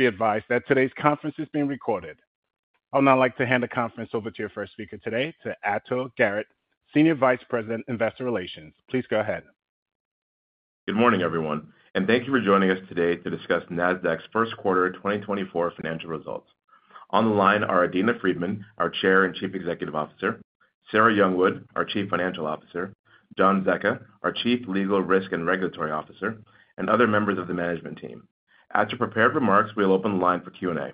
Please be advised that today's conference is being recorded. I would now like to hand the conference over to your first speaker today, to Ato Garrett, Senior Vice President, Investor Relations. Please go ahead. Good morning, everyone, and thank you for joining us today to discuss Nasdaq's first quarter 2024 financial results. On the line are Adena Friedman, our Chair and Chief Executive Officer, Sarah Youngwood, our Chief Financial Officer, John Zecca, our Chief Legal, Risk, and Regulatory Officer, and other members of the management team. After prepared remarks, we'll open the line for Q&A.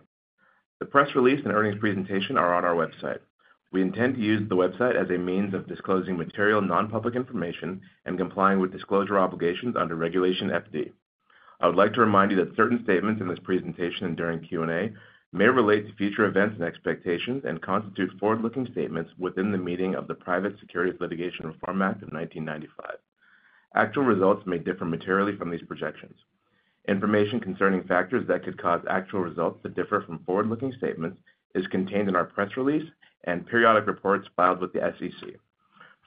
The press release and earnings presentation are on our website. We intend to use the website as a means of disclosing material non-public information and complying with disclosure obligations under Regulation FD. I would like to remind you that certain statements in this presentation and during Q&A may relate to future events and expectations and constitute forward-looking statements within the meaning of the Private Securities Litigation Reform Act of 1995. Actual results may differ materially from these projections. Information concerning factors that could cause actual results to differ from forward-looking statements is contained in our press release and periodic reports filed with the SEC.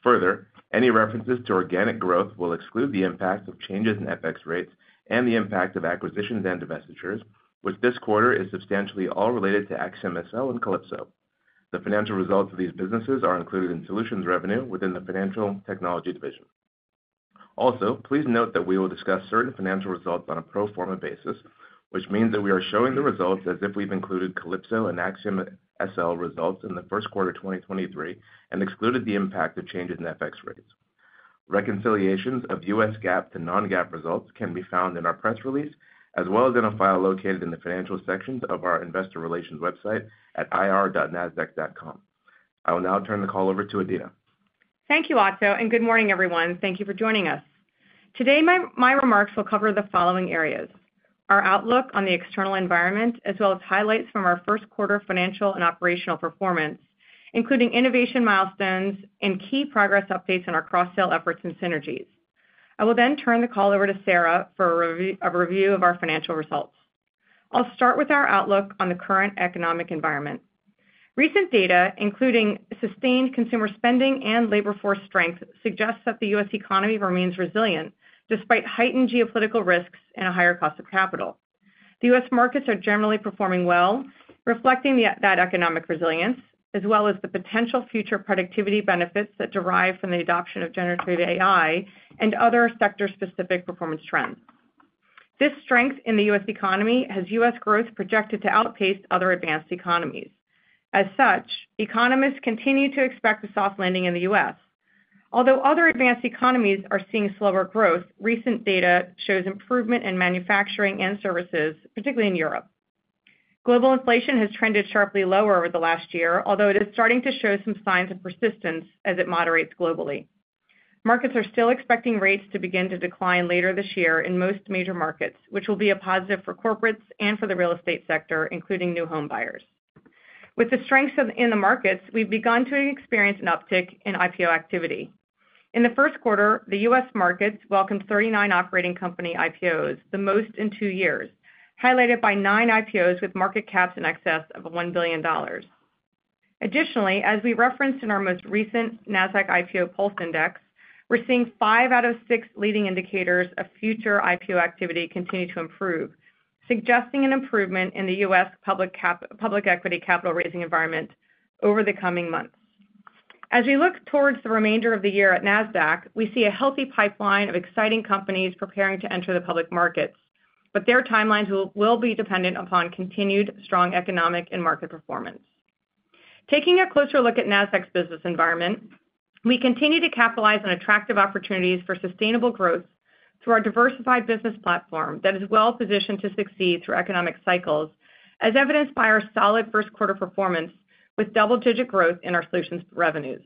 Further, any references to organic growth will exclude the impact of changes in FX rates and the impact of acquisitions and divestitures, which this quarter is substantially all related to AxiomSL and Calypso. The financial results of these businesses are included in Solutions revenue within the Financial Technology Division. Also, please note that we will discuss certain financial results on a pro forma basis, which means that we are showing the results as if we've included Calypso and AxiomSL results in the first quarter 2023, and excluded the impact of changes in FX rates. Reconciliations of U.S. GAAP to non-GAAP results can be found in our press release, as well as in a file located in the Financial sections of our Investor Relations website at ir.nasdaq.com. I will now turn the call over to Adena. Thank you, Ato, and good morning, everyone. Thank you for joining us. Today, my remarks will cover the following areas: Our outlook on the external environment, as well as highlights from our first quarter financial and operational performance, including innovation milestones and key progress updates on our cross-sell efforts and synergies. I will then turn the call over to Sarah for a review of our financial results. I'll start with our outlook on the current economic environment. Recent data, including sustained consumer spending and labor force strength, suggests that the U.S. economy remains resilient despite heightened geopolitical risks and a higher cost of capital. The U.S. markets are generally performing well, reflecting that economic resilience, as well as the potential future productivity benefits that derive from the adoption of generative AI and other sector-specific performance trends. This strength in the U.S. economy has U.S. growth projected to outpace other advanced economies. As such, economists continue to expect a soft landing in the U.S. Although other advanced economies are seeing slower growth, recent data shows improvement in manufacturing and services, particularly in Europe. Global inflation has trended sharply lower over the last year, although it is starting to show some signs of persistence as it moderates globally. Markets are still expecting rates to begin to decline later this year in most major markets, which will be a positive for corporates and for the real estate sector, including new home buyers. With the strengths in the markets, we've begun to experience an uptick in IPO activity. In the first quarter, the U.S. markets welcomed 39 operating company IPOs, the most in two years, highlighted by nine IPOs with market caps in excess of $1 billion. Additionally, as we referenced in our most recent Nasdaq IPO Pulse Index, we're seeing five out of six leading indicators of future IPO activity continue to improve, suggesting an improvement in the U.S. public equity capital raising environment over the coming months. As we look towards the remainder of the year at Nasdaq, we see a healthy pipeline of exciting companies preparing to enter the public markets, but their timelines will be dependent upon continued strong economic and market performance. Taking a closer look at Nasdaq's business environment, we continue to capitalize on attractive opportunities for sustainable growth through our diversified business platform that is well positioned to succeed through economic cycles, as evidenced by our solid first quarter performance, with double-digit growth in our solutions revenues.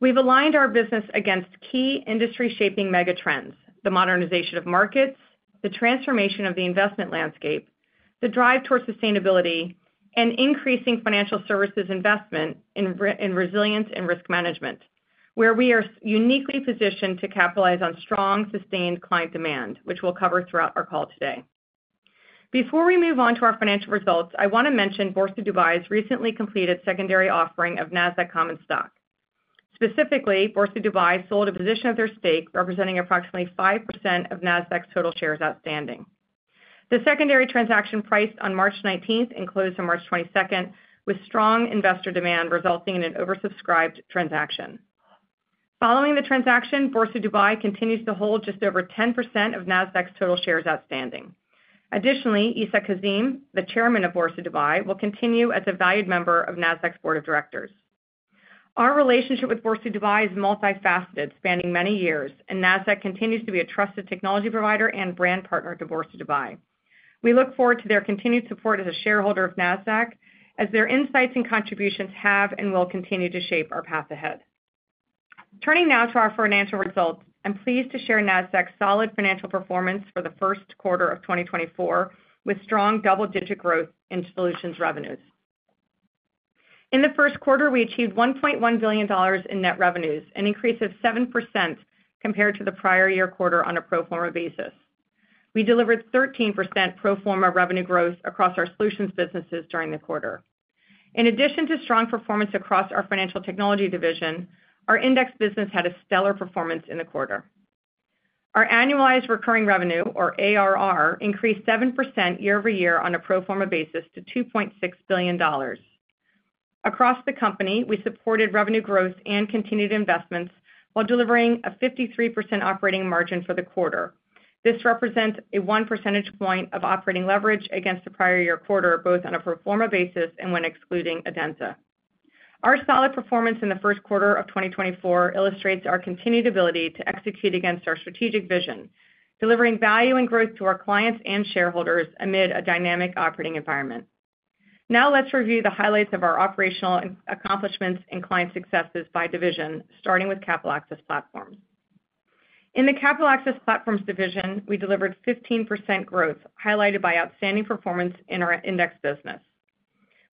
We've aligned our business against key industry-shaping mega trends, the modernization of markets, the transformation of the investment landscape, the drive towards sustainability, and increasing financial services investment in resilience and risk management, where we are uniquely positioned to capitalize on strong, sustained client demand, which we'll cover throughout our call today. Before we move on to our financial results, I want to mention Borse Dubai's recently completed secondary offering of Nasdaq common stock. Specifically, Borse Dubai sold a position of their stake, representing approximately 5% of Nasdaq's total shares outstanding. The secondary transaction priced on March 19th and closed on March 22nd, with strong investor demand resulting in an oversubscribed transaction. Following the transaction, Borse Dubai continues to hold just over 10% of Nasdaq's total shares outstanding. Additionally, Essa Kazim, the chairman of Borse Dubai, will continue as a valued member of Nasdaq's board of directors. Our relationship with Borse Dubai is multifaceted, spanning many years, and Nasdaq continues to be a trusted technology provider and brand partner to Borse Dubai. We look forward to their continued support as a shareholder of Nasdaq, as their insights and contributions have and will continue to shape our path ahead. Turning now to our financial results, I'm pleased to share Nasdaq's solid financial performance for the first quarter of 2024, with strong double-digit growth in solutions revenues. In the first quarter, we achieved $1.1 billion in net revenues, an increase of 7% compared to the prior year quarter on a pro forma basis. We delivered 13% pro forma revenue growth across our solutions businesses during the quarter.... In addition to strong performance across our financial technology division, our index business had a stellar performance in the quarter. Our annualized recurring revenue, or ARR, increased 7% year-over-year on a pro forma basis to $2.6 billion. Across the company, we supported revenue growth and continued eVestment, while delivering a 53% operating margin for the quarter. This represents a one percentage point of operating leverage against the prior year quarter, both on a pro forma basis and when excluding Adenza. Our solid performance in the first quarter of 2024 illustrates our continued ability to execute against our strategic vision, delivering value and growth to our clients and shareholders amid a dynamic operating environment. Now let's review the highlights of our operational accomplishments and client successes by division, starting with Capital Access Platforms. In the Capital Access Platforms division, we delivered 15% growth, highlighted by outstanding performance in our index business.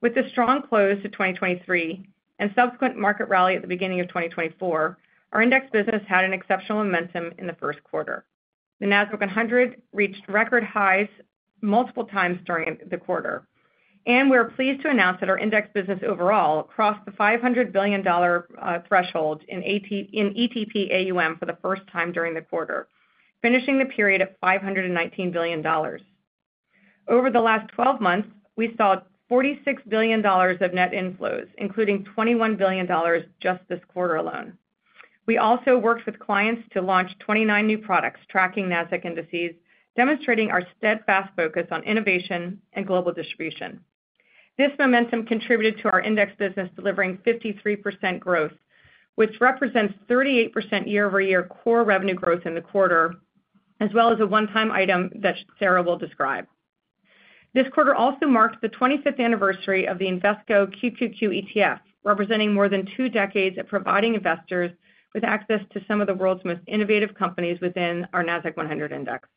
With the strong close to 2023 and subsequent market rally at the beginning of 2024, our index business had an exceptional momentum in the first quarter. The Nasdaq 100 reached record highs multiple times during the quarter, and we are pleased to announce that our index business overall crossed the $500 billion threshold in ETP AUM for the first time during the quarter, finishing the period at $519 billion. Over the last 12 months, we saw $46 billion of net inflows, including $21 billion just this quarter alone. We also worked with clients to launch 29 new products, tracking Nasdaq indices, demonstrating our steadfast focus on innovation and global distribution. This momentum contributed to our index business delivering 53% growth, which represents 38% year-over-year core revenue growth in the quarter, as well as a one-time item that Sarah will describe. This quarter also marks the 25th anniversary of the Invesco QQQ ETF, representing more than two decades of providing investors with access to some of the world's most innovative companies within our Nasdaq-100 Index.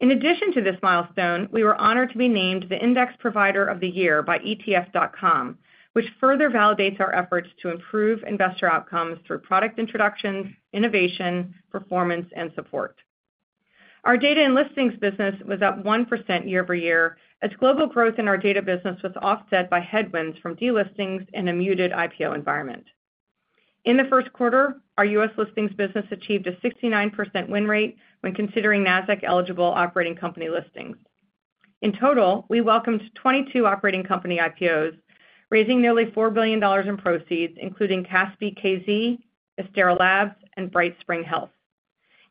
In addition to this milestone, we were honored to be named the Index Provider of the Year by ETF.com, which further validates our efforts to improve investor outcomes through product introductions, innovation, performance, and support. Our Data and Listings business was up 1% year-over-year, as global growth in our data business was offset by headwinds from delistings and a muted IPO environment. In the first quarter, our U.S. listings business achieved a 69% win rate when considering Nasdaq-eligible operating company listings. In total, we welcomed 22 operating company IPOs, raising nearly $4 billion in proceeds, including Kaspi.kz, Astera Labs, and BrightSpring Health.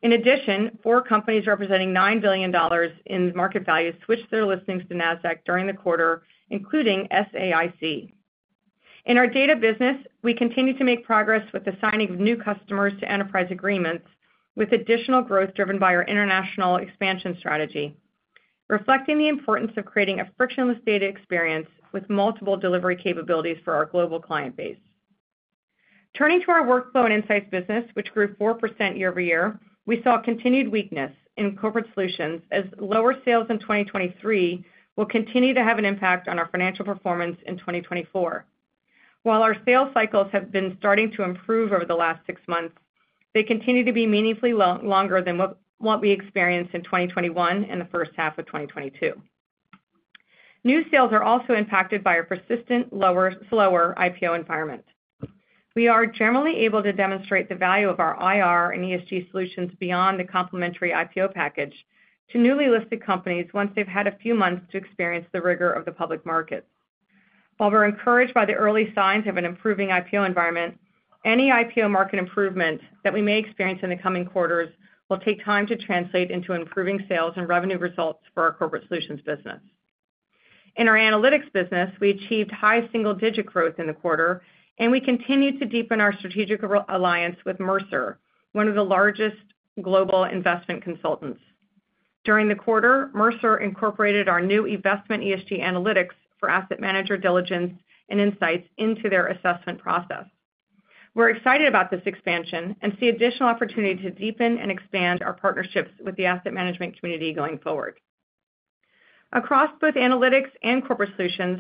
In addition, four companies representing $9 billion in market value switched their listings to Nasdaq during the quarter, including SAIC. In our data business, we continued to make progress with the signing of new customers to enterprise agreements, with additional growth driven by our international expansion strategy, reflecting the importance of creating a frictionless data experience with multiple delivery capabilities for our global client base. Turning to our Workflow and Insights business, which grew 4% year-over-year, we saw continued weakness in corporate solutions as lower sales in 2023 will continue to have an impact on our financial performance in 2024. While our sales cycles have been starting to improve over the last six months, they continue to be meaningfully longer than what we experienced in 2021 and the first half of 2022. New sales are also impacted by a persistent, slower IPO environment. We are generally able to demonstrate the value of our IR and ESG solutions beyond the complimentary IPO package to newly listed companies once they've had a few months to experience the rigor of the public market. While we're encouraged by the early signs of an improving IPO environment, any IPO market improvement that we may experience in the coming quarters will take time to translate into improving sales and revenue results for our corporate solutions business. In our Analytics business, we achieved high single-digit growth in the quarter, and we continued to deepen our strategic alliance with Mercer, one of the largest global investment consultants. During the quarter, Mercer incorporated our new investment ESG analytics for asset manager diligence and insights into their assessment process. We're excited about this expansion and see additional opportunity to deepen and expand our partnerships with the asset management community going forward. Across both analytics and corporate solutions,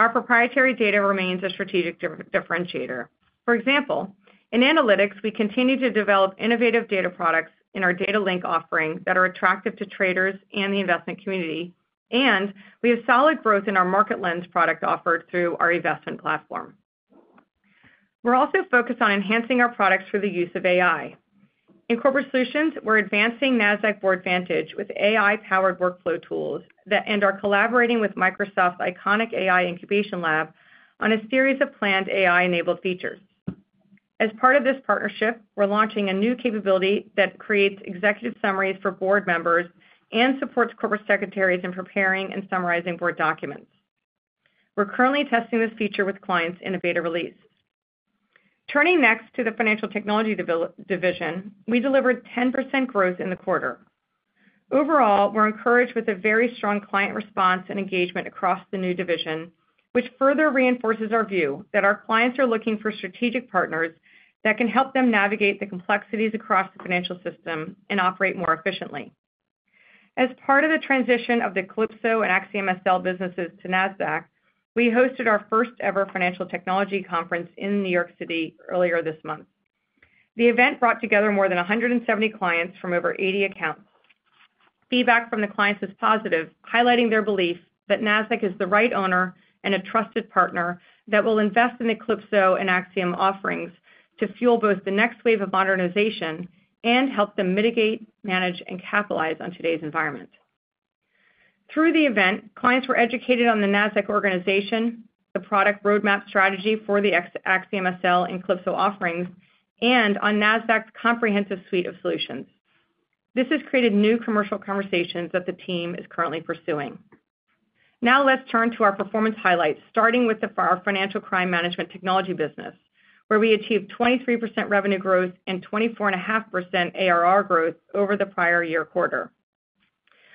our proprietary data remains a strategic differentiator. For example, in analytics, we continue to develop innovative data products in our Data Link offering that are attractive to traders and the investment community, and we have solid growth in our Market Lens product offered through our investment platform. We're also focused on enhancing our products for the use of AI. In Corporate Solutions, we're advancing Nasdaq Board Vantage with AI-powered workflow tools that... We are collaborating with Microsoft's iconic AI incubation lab on a series of planned AI-enabled features. As part of this partnership, we're launching a new capability that creates executive summaries for board members and supports corporate secretaries in preparing and summarizing board documents. We're currently testing this feature with clients in a beta release. Turning next to the Financial Technology Division, we delivered 10% growth in the quarter. Overall, we're encouraged with a very strong client response and engagement across the new division, which further reinforces our view that our clients are looking for strategic partners that can help them navigate the complexities across the financial system and operate more efficiently. As part of the transition of the Calypso and AxiomSL businesses to Nasdaq, we hosted our first-ever Financial Technology Conference in New York City earlier this month. The event brought together more than 170 clients from over 80 accounts. Feedback from the clients is positive, highlighting their belief that Nasdaq is the right owner and a trusted partner that will invest in the Calypso and AxiomSL offerings to fuel both the next wave of modernization and help them mitigate, manage, and capitalize on today's environment. Through the event, clients were educated on the Nasdaq organization, the product roadmap strategy for the AxiomSL and Calypso offerings, and on Nasdaq's comprehensive suite of solutions. This has created new commercial conversations that the team is currently pursuing. Now let's turn to our performance highlights, starting with our Financial Crime Management Technology business, where we achieved 23% revenue growth and 24.5% ARR growth over the prior year quarter.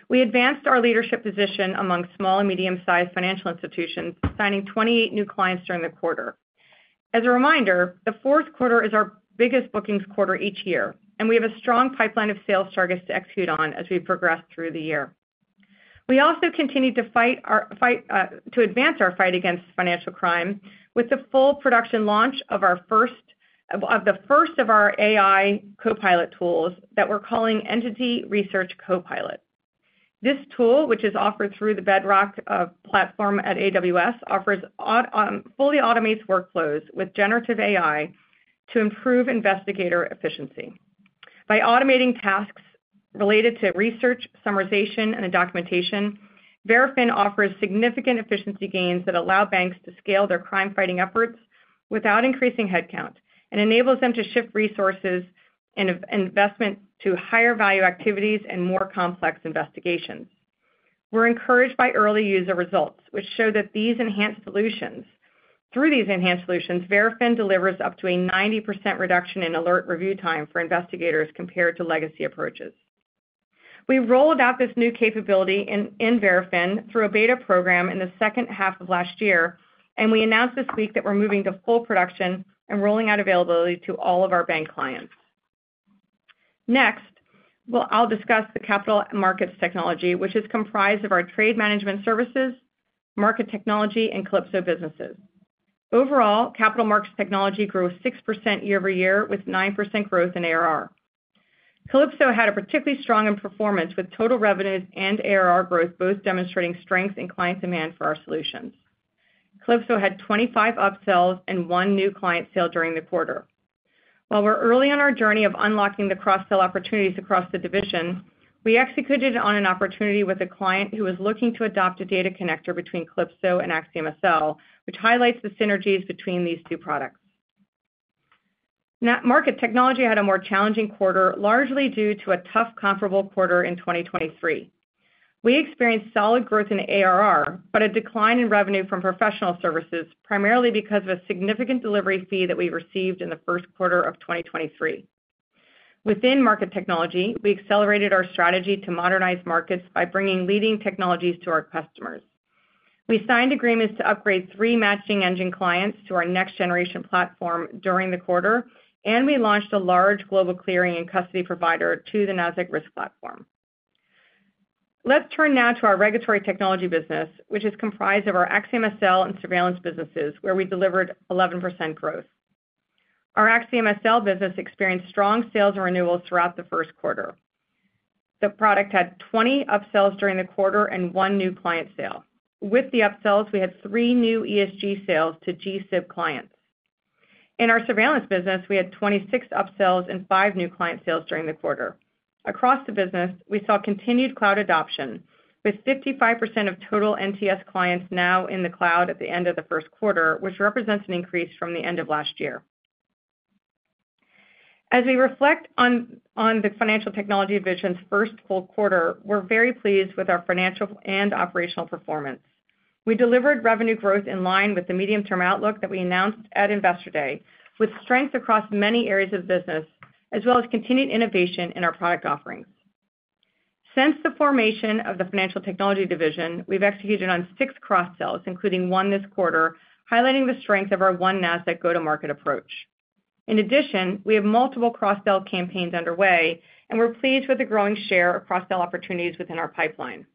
We advanced our leadership position among small and medium-sized financial institutions, signing 28 new clients during the quarter. As a reminder, the fourth quarter is our biggest bookings quarter each year, and we have a strong pipeline of sales targets to execute on as we progress through the year. We also continued to advance our fight against financial crime, with the full production launch of our first AI Copilot tools that we're calling Entity Research Copilot. This tool, which is offered through the Bedrock platform at AWS, fully automates workflows with generative AI to improve investigator efficiency. By automating tasks related to research, summarization, and documentation, Verafin offers significant efficiency gains that allow banks to scale their crime-fighting efforts without increasing headcount, and enables them to shift resources and reinvestment to higher-value activities and more complex investigations. We're encouraged by early user results. Through these enhanced solutions, Verafin delivers up to a 90% reduction in alert review time for investigators compared to legacy approaches. We rolled out this new capability in Verafin through a beta program in the second half of last year, and we announced this week that we're moving to full production and rolling out availability to all of our bank clients. Next, I'll discuss the Capital Markets Technology, which is comprised of our Trade Management Services, Market Technology, and Calypso businesses. Overall, capital markets technology grew 6% year-over-year, with 9% growth in ARR. Calypso had a particularly strong in performance, with total revenues and ARR growth both demonstrating strength and client demand for our solutions. Calypso had 25 upsells and one new client sale during the quarter. While we're early on our journey of unlocking the cross-sell opportunities across the division, we executed on an opportunity with a client who was looking to adopt a data connector between Calypso and Axiom SL, which highlights the synergies between these two products. Net Market Technology had a more challenging quarter, largely due to a tough comparable quarter in 2023. We experienced solid growth in ARR, but a decline in revenue from professional services, primarily because of a significant delivery fee that we received in the first quarter of 2023. Within Market Technology, we accelerated our strategy to modernize markets by bringing leading technologies to our customers. We signed agreements to upgrade 3 matching engine clients to our next-generation platform during the quarter, and we launched a large global clearing and custody provider to the Nasdaq Risk Platform. Let's turn now to our Regulatory Technology business, which is comprised of our AxiomSL and Surveillance businesses, where we delivered 11% growth. Our AxiomSL business experienced strong sales and renewals throughout the first quarter. The product had 20 upsells during the quarter and 1 new client sale. With the upsells, we had 3 new ESG sales to G-SIB clients. In our Surveillance business, we had 26 upsells and 5 new client sales during the quarter. Across the business, we saw continued cloud adoption, with 55% of total NTS clients now in the cloud at the end of the first quarter, which represents an increase from the end of last year. As we reflect on the Financial Technology Division's first full quarter, we're very pleased with our financial and operational performance. We delivered revenue growth in line with the medium-term outlook that we announced at Investor Day, with strength across many areas of business, as well as continued innovation in our product offerings. Since the formation of the Financial Technology Division, we've executed on 6 cross-sells, including 1 this quarter, highlighting the strength of our one Nasdaq go-to-market approach. In addition, we have multiple cross-sell campaigns underway, and we're pleased with the growing share of cross-sell opportunities within our pipeline.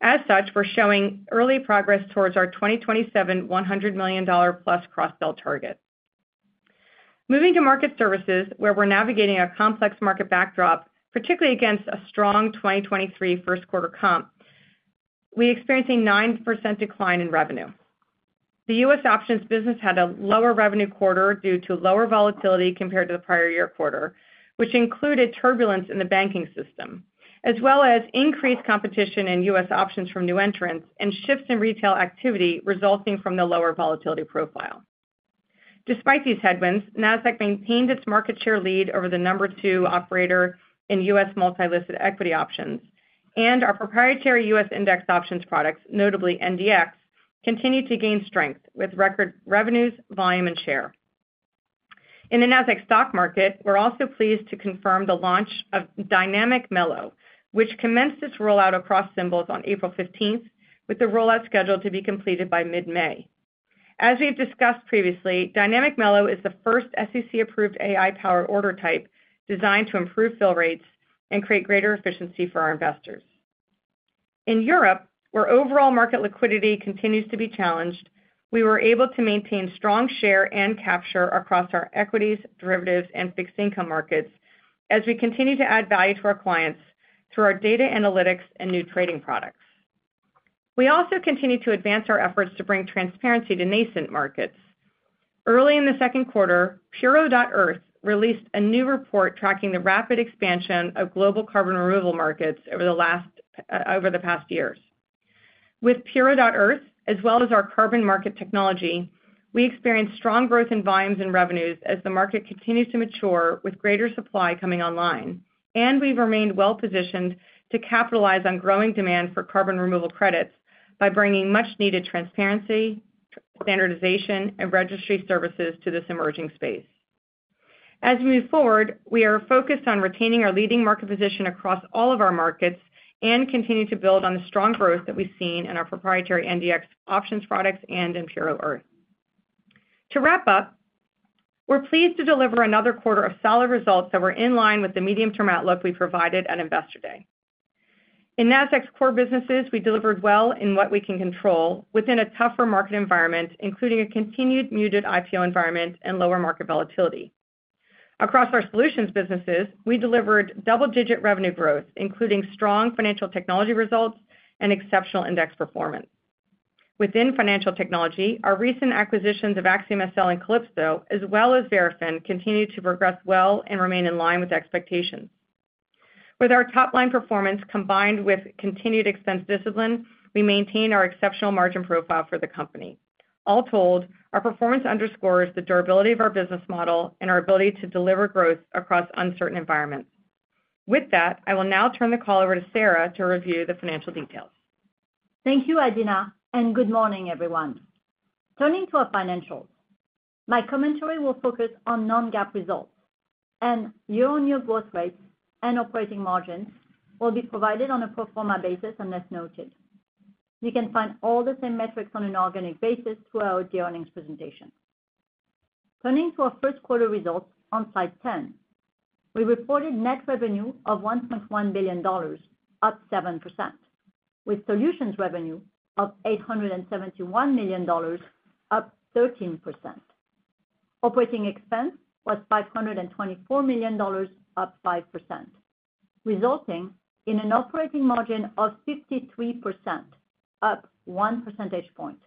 As such, we're showing early progress towards our 2027 $100 million-plus cross-sell target. Moving to Market Services, where we're navigating a complex market backdrop, particularly against a strong 2023 first quarter comp, we experienced a 9% decline in revenue. The U.S. options business had a lower revenue quarter due to lower volatility compared to the prior year quarter, which included turbulence in the banking system, as well as increased competition in U.S. options from new entrants, and shifts in retail activity resulting from the lower volatility profile. Despite these headwinds, Nasdaq maintained its market share lead over the number two operator in U.S. multi-listed equity options, and our proprietary U.S. index options products, notably NDX, continued to gain strength with record revenues, volume, and share. In the Nasdaq stock market, we're also pleased to confirm the launch of Dynamic M-ELO, which commenced its rollout across symbols on April 15, with the rollout scheduled to be completed by mid-May. As we've discussed previously, Dynamic M-ELO is the first SEC-approved AI-powered order type designed to improve fill rates and create greater efficiency for our investors.... In Europe, where overall market liquidity continues to be challenged, we were able to maintain strong share and capture across our equities, derivatives, and fixed income markets as we continue to add value to our clients through our data analytics and new trading products. We also continue to advance our efforts to bring transparency to nascent markets. Early in the second quarter, Puro.earth released a new report tracking the rapid expansion of global carbon removal markets over the last, over the past years. With Puro.earth, as well as our carbon market technology, we experienced strong growth in volumes and revenues as the market continues to mature with greater supply coming online. We've remained well-positioned to capitalize on growing demand for carbon removal credits by bringing much-needed transparency, standardization, and registry services to this emerging space. As we move forward, we are focused on retaining our leading market position across all of our markets, and continue to build on the strong growth that we've seen in our proprietary NDX options products and in Puro.earth. To wrap up, we're pleased to deliver another quarter of solid results that were in line with the medium-term outlook we provided at Investor Day. In Nasdaq's core businesses, we delivered well in what we can control within a tougher market environment, including a continued muted IPO environment and lower market volatility. Across our solutions businesses, we delivered double-digit revenue growth, including strong financial technology results and exceptional index performance. Within financial technology, our recent acquisitions of AxiomSL and Calypso, as well as Verafin, continue to progress well and remain in line with expectations. With our top-line performance, combined with continued expense discipline, we maintain our exceptional margin profile for the company. All told, our performance underscores the durability of our business model and our ability to deliver growth across uncertain environments. With that, I will now turn the call over to Sarah to review the financial details. Thank you, Adena, and good morning, everyone. Turning to our financials, my commentary will focus on non-GAAP results, and year-on-year growth rates and operating margins will be provided on a pro forma basis, unless noted. You can find all the same metrics on an organic basis throughout the earnings presentation. Turning to our first quarter results on slide 10. We reported net revenue of $1.1 billion, up 7%, with solutions revenue of $871 million, up 13%. Operating expense was $524 million, up 5%, resulting in an operating margin of 53%, up 1 percentage point,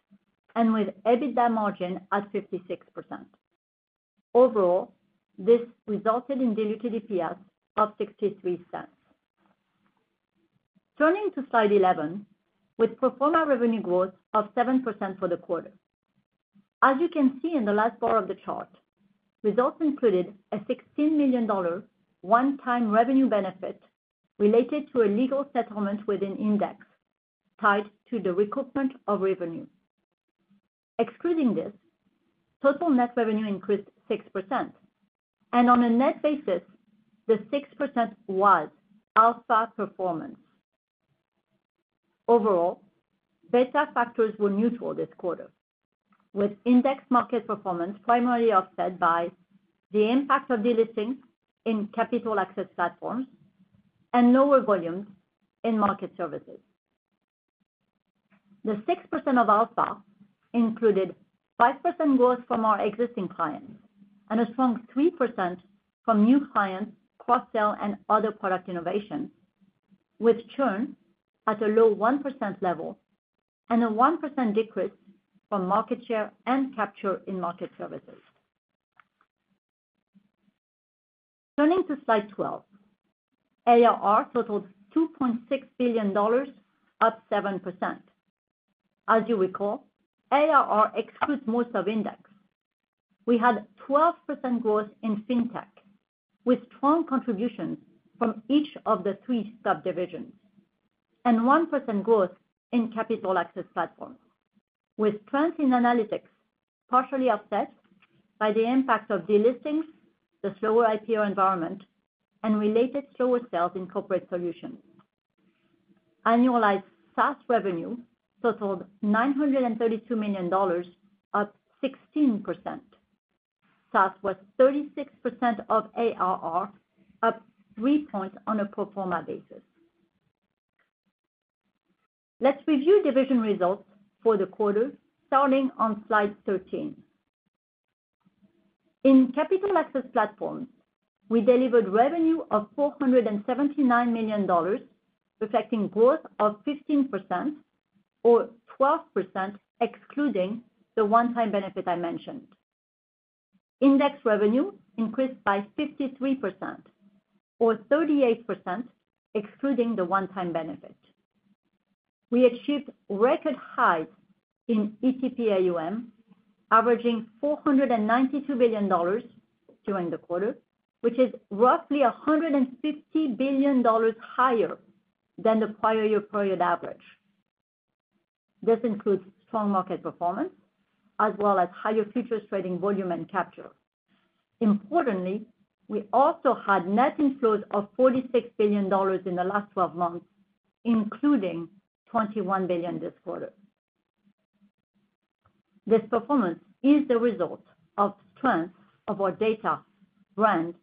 and with EBITDA margin at 56%. Overall, this resulted in diluted EPS of $0.63. Turning to slide 11, with pro forma revenue growth of 7% for the quarter. As you can see in the last bar of the chart, results included a $16 million, one-time revenue benefit related to a legal settlement with an index tied to the recoupment of revenue. Excluding this, total net revenue increased 6%, and on a net basis, the 6% was alpha performance. Overall, beta factors were neutral this quarter, with index market performance primarily offset by the impact of delistings in capital access platforms and lower volumes in market services. The 6% of alpha included 5% growth from our existing clients and a strong 3% from new clients, cross-sell, and other product innovation, with churn at a low 1% level and a 1% decrease from market share and capture in market services. Turning to slide 12, ARR totaled $2.6 billion, up 7%. As you recall, ARR excludes most of index. We had 12% growth in Fintech, with strong contributions from each of the three subdivisions, and 1% growth in capital access platforms, with strength in analytics partially offset by the impact of delistings, the slower IPO environment, and related slower sales in corporate solutions. Annualized SaaS revenue totaled $932 million, up 16%. SaaS was 36% of ARR, up 3 points on a pro forma basis. Let's review division results for the quarter, starting on slide 13. In capital access platforms, we delivered revenue of $479 million, reflecting growth of 15%, or 12%, excluding the one-time benefit I mentioned. Index revenue increased by 53%, or 38%, excluding the one-time benefit. We achieved record highs in ETP AUM, averaging $492 billion during the quarter, which is roughly $150 billion higher than the prior-year period average. This includes strong market performance, as well as higher futures trading volume and capture. Importantly, we also had net inflows of $46 billion in the last twelve months, including $21 billion this quarter. This performance is the result of strength of our data, brand,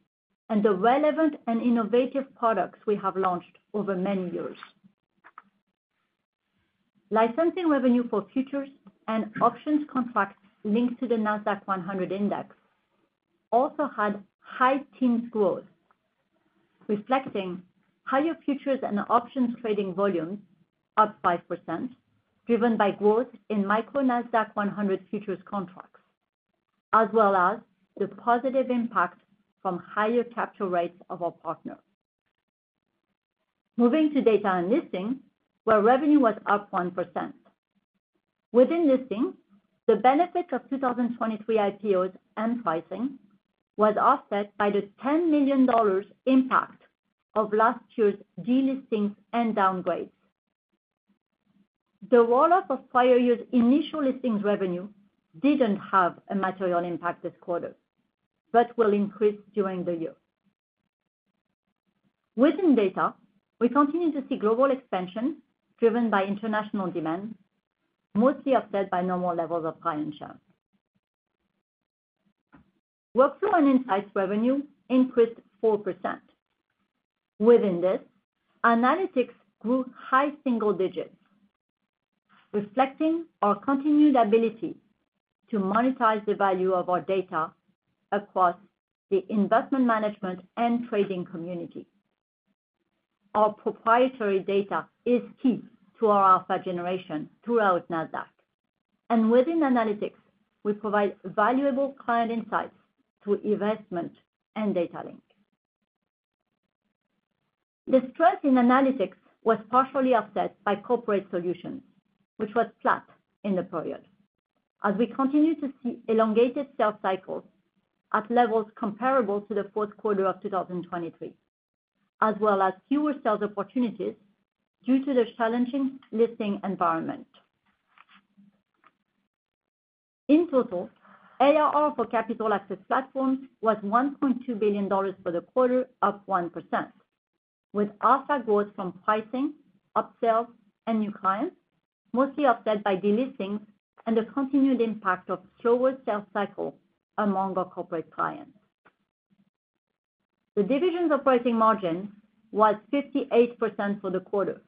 and the relevant and innovative products we have launched over many years. Licensing revenue for futures and options contracts linked to the Nasdaq-100 Index also had high teens growth, reflecting higher futures and options trading volumes, up 5%, driven by growth in micro Nasdaq-100 futures contracts, as well as the positive impact from higher capture rates of our partners. Moving to data and listings, where revenue was up 1%. Within listings, the benefit of 2023 IPOs and pricing was offset by the $10 million impact of last year's delistings and downgrades. The roll-off of prior years' initial listings revenue didn't have a material impact this quarter, but will increase during the year. Within data, we continue to see global expansion driven by international demand, mostly offset by normal levels of client churn. Workflow and insights revenue increased 4%. Within this, analytics grew high single digits, reflecting our continued ability to monetize the value of our data across the investment management and trading community. Our proprietary data is key to our alpha generation throughout Nasdaq, and within analytics, we provide valuable client insights to investment and Datalink. The strength in analytics was partially offset by corporate solutions, which was flat in the period, as we continue to see elongated sales cycles at levels comparable to the fourth quarter of 2023, as well as fewer sales opportunities due to the challenging listing environment. In total, ARR for Capital Access Platforms was $1.2 billion for the quarter, up 1%, with alpha growth from pricing, upsells, and new clients, mostly offset by delistings and the continued impact of slower sales cycle among our corporate clients. The division's operating margin was 58% for the quarter.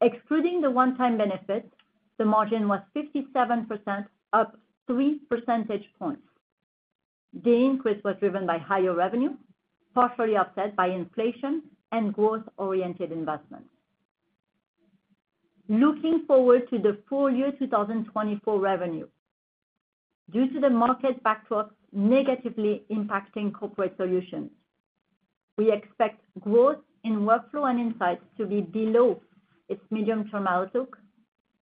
Excluding the one-time benefit, the margin was 57%, up three percentage points. The increase was driven by higher revenue, partially offset by inflation and growth-oriented investments. Looking forward to the full year 2024 revenue, due to the market backdrop negatively impacting corporate solutions, we expect growth in workflow and insights to be below its medium-term outlook,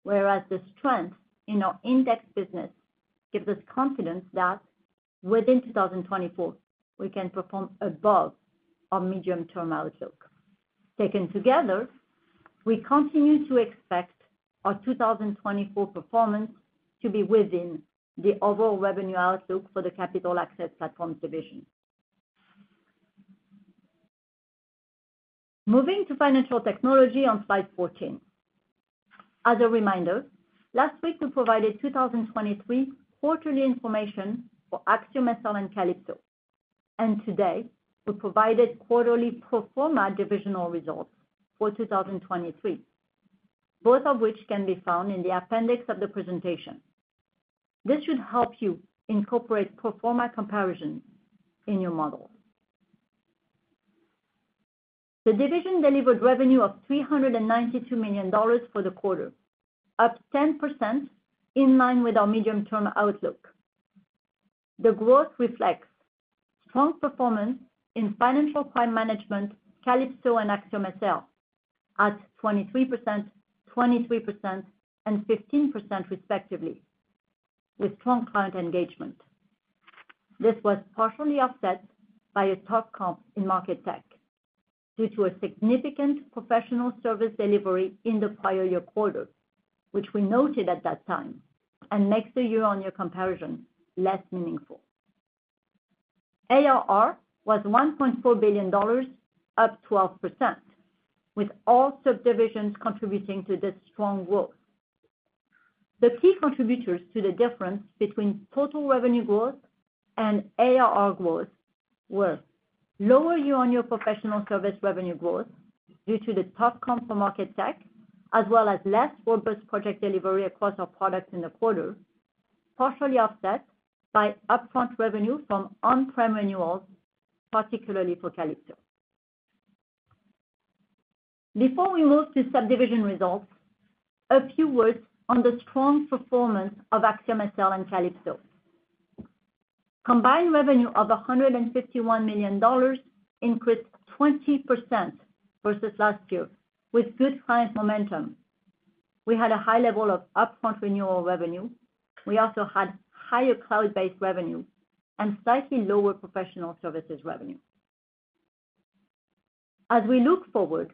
whereas the strength in our index business gives us confidence that within 2024, we can perform above our medium-term outlook. Taken together, we continue to expect our 2024 performance to be within the overall revenue outlook for the Capital Access Platforms division. Moving to Financial Technology on slide 14. As a reminder, last week, we provided 2023 quarterly information for AxiomSL and Calypso, and today, we provided quarterly pro forma divisional results for 2023, both of which can be found in the appendix of the presentation. This should help you incorporate pro forma comparison in your model. The division delivered revenue of $392 million for the quarter, up 10%, in line with our medium-term outlook. The growth reflects strong performance in financial crime management, Calypso and AxiomSL, at 23%, 23%, and 15% respectively, with strong client engagement. This was partially offset by a tough comp in Market Tech due to a significant professional service delivery in the prior year quarter, which we noted at that time, and makes the year-on-year comparison less meaningful. ARR was $1.4 billion, up 12%, with all subdivisions contributing to this strong growth. The key contributors to the difference between total revenue growth and ARR growth were: lower year-on-year professional service revenue growth due to the tough comp for Market Tech, as well as less robust project delivery across our products in the quarter, partially offset by upfront revenue from on-prem renewals, particularly for Calypso. Before we move to subdivision results, a few words on the strong performance of AxiomSL and Calypso. Combined revenue of $151 million increased 20% versus last year, with good client momentum. We had a high level of upfront renewal revenue. We also had higher cloud-based revenue and slightly lower professional services revenue. As we look forward,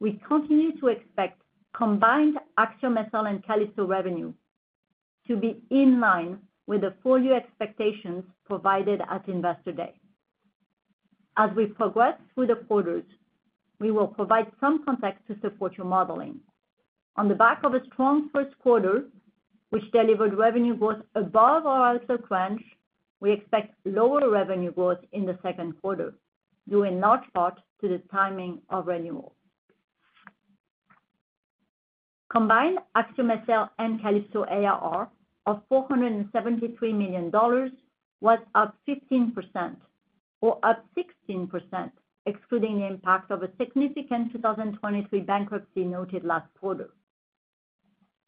we continue to expect combined AxiomSL and Calypso revenue to be in line with the full year expectations provided at Investor Day.... As we progress through the quarters, we will provide some context to support your modeling. On the back of a strong first quarter, which delivered revenue growth above our outlook range, we expect lower revenue growth in the second quarter, due in large part to the timing of renewals. Combined AxiomSL and Calypso ARR of $473 million was up 15%, or up 16%, excluding the impact of a significant 2023 bankruptcy noted last quarter.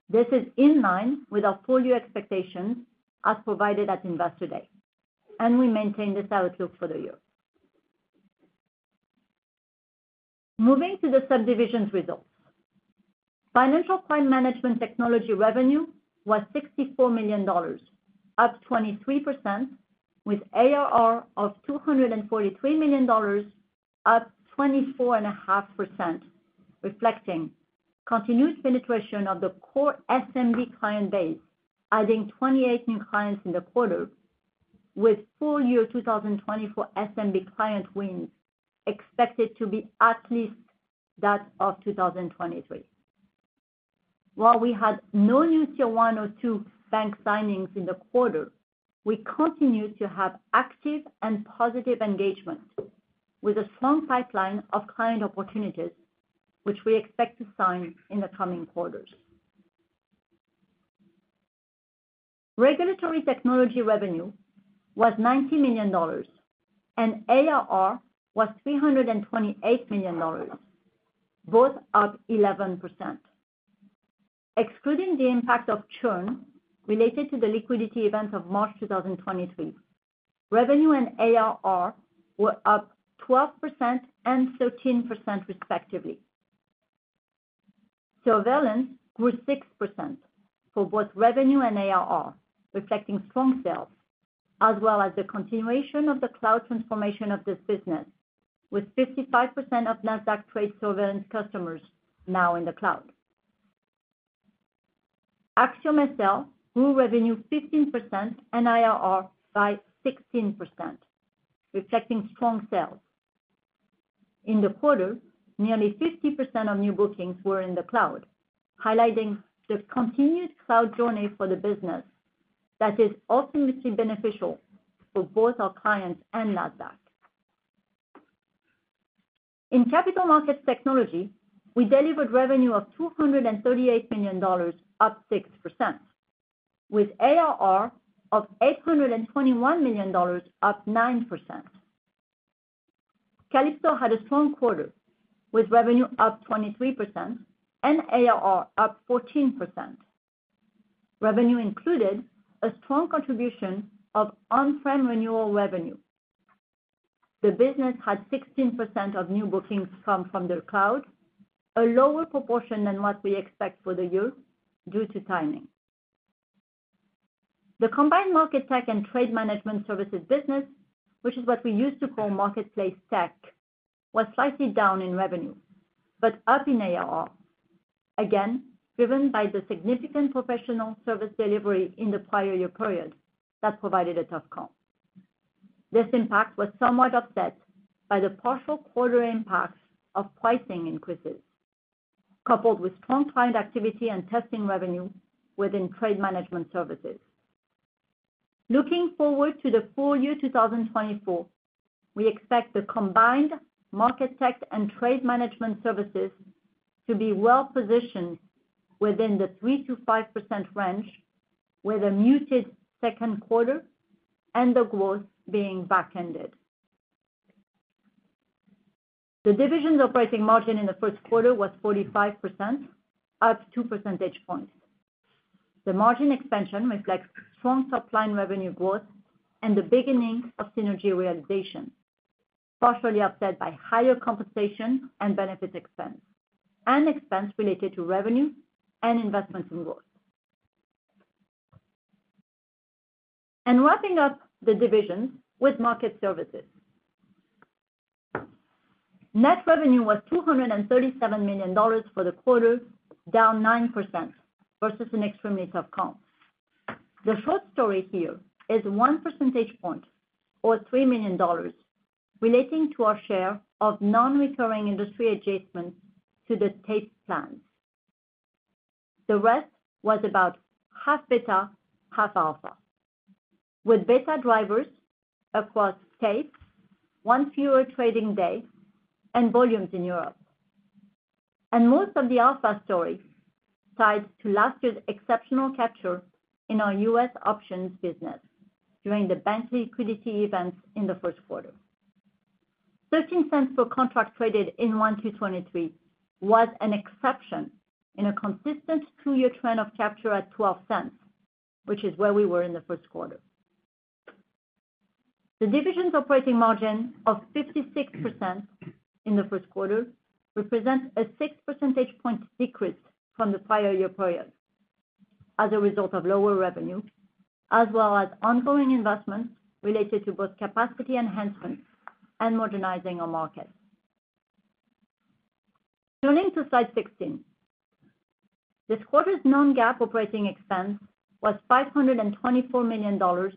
This is in line with our full-year expectations as provided at Investor Day, and we maintain this outlook for the year. Moving to the subdivisions results. Financial crime management technology revenue was $64 million, up 23%, with ARR of $243 million, up 24.5%, reflecting continued penetration of the core SMB client base, adding 28 new clients in the quarter, with full year 2024 SMB client wins expected to be at least that of 2023. While we had no new Tier One or Two bank signings in the quarter, we continue to have active and positive engagement with a strong pipeline of client opportunities, which we expect to sign in the coming quarters. Regulatory technology revenue was $90 million, and ARR was $328 million, both up 11%. Excluding the impact of churn related to the liquidity event of March 2023, revenue and ARR were up 12% and 13%, respectively. Surveillance grew 6% for both revenue and ARR, reflecting strong sales, as well as the continuation of the cloud transformation of this business, with 55% of Nasdaq Trade Surveillance customers now in the cloud. AxiomSL grew revenue 15% and ARR by 16%, reflecting strong sales. In the quarter, nearly 50% of new bookings were in the cloud, highlighting the continued cloud journey for the business that is ultimately beneficial for both our clients and Nasdaq. In capital markets technology, we delivered revenue of $238 million, up 6%, with ARR of $821 million, up 9%. Calypso had a strong quarter, with revenue up 23% and ARR up 14%. Revenue included a strong contribution of on-prem renewal revenue. The business had 16% of new bookings come from the cloud, a lower proportion than what we expect for the year due to timing. The combined market tech and trade management services business, which is what we used to call marketplace tech, was slightly down in revenue, but up in ARR, again, driven by the significant professional service delivery in the prior year period that provided a tough comp. This impact was somewhat offset by the partial quarter impact of pricing increases, coupled with strong client activity and testing revenue within trade management services. Looking forward to the full year 2024, we expect the combined market tech and trade management services to be well positioned within the 3%-5% range, with a muted second quarter and the growth being backended. The division's operating margin in the first quarter was 45%, up two percentage points. The margin expansion reflects strong top-line revenue growth and the beginning of synergy realization, partially offset by higher compensation and benefit expense and expense related to revenue and investments in growth. And wrapping up the division with market services. Net revenue was $237 million for the quarter, down 9% versus an extremely tough comp. The short story here is one percentage point or $3 million relating to our share of non-recurring industry adjustments to the tape plans. The rest was about half beta, half alpha, with beta drivers across tapes, one fewer trading day, and volumes in Europe. And most of the alpha story tied to last year's exceptional capture in our U.S. options business during the bank liquidity events in the first quarter. 13 cents per contract traded in 1Q23 was an exception in a consistent 2-year trend of capture at 12 cents, which is where we were in the first quarter. The division's operating margin of 56% in the first quarter represents a 6 percentage point decrease from the prior year period as a result of lower revenue, as well as ongoing investments related to both capacity enhancements and modernizing our markets.... Turning to slide 16. This quarter's non-GAAP operating expense was $524 million,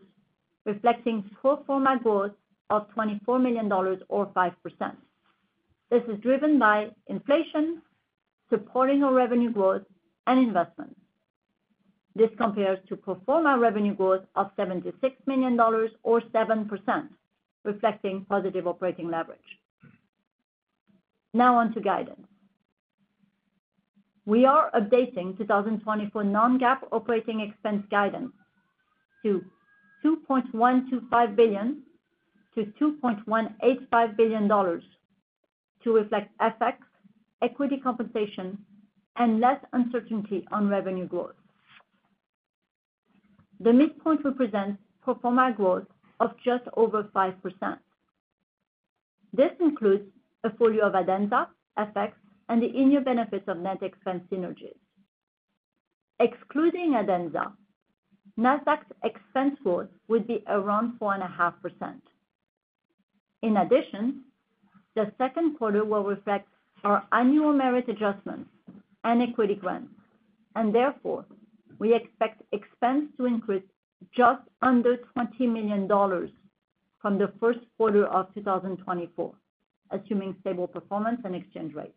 reflecting pro forma growth of $24 million or 5%. This is driven by inflation, supporting our revenue growth and investment. This compares to pro forma revenue growth of $76 million or 7%, reflecting positive operating leverage. Now on to guidance. We are updating 2024 non-GAAP operating expense guidance to $2.125 billion-$2.185 billion to reflect FX, equity compensation, and less uncertainty on revenue growth. The midpoint represents pro forma growth of just over 5%. This includes a full year of Adenza, FX, and the annual benefits of net expense synergies. Excluding Adenza, Nasdaq's expense growth would be around 4.5%. In addition, the second quarter will reflect our annual merit adjustments and equity grants, and therefore, we expect expense to increase just under $20 million from the first quarter of 2024, assuming stable performance and exchange rates.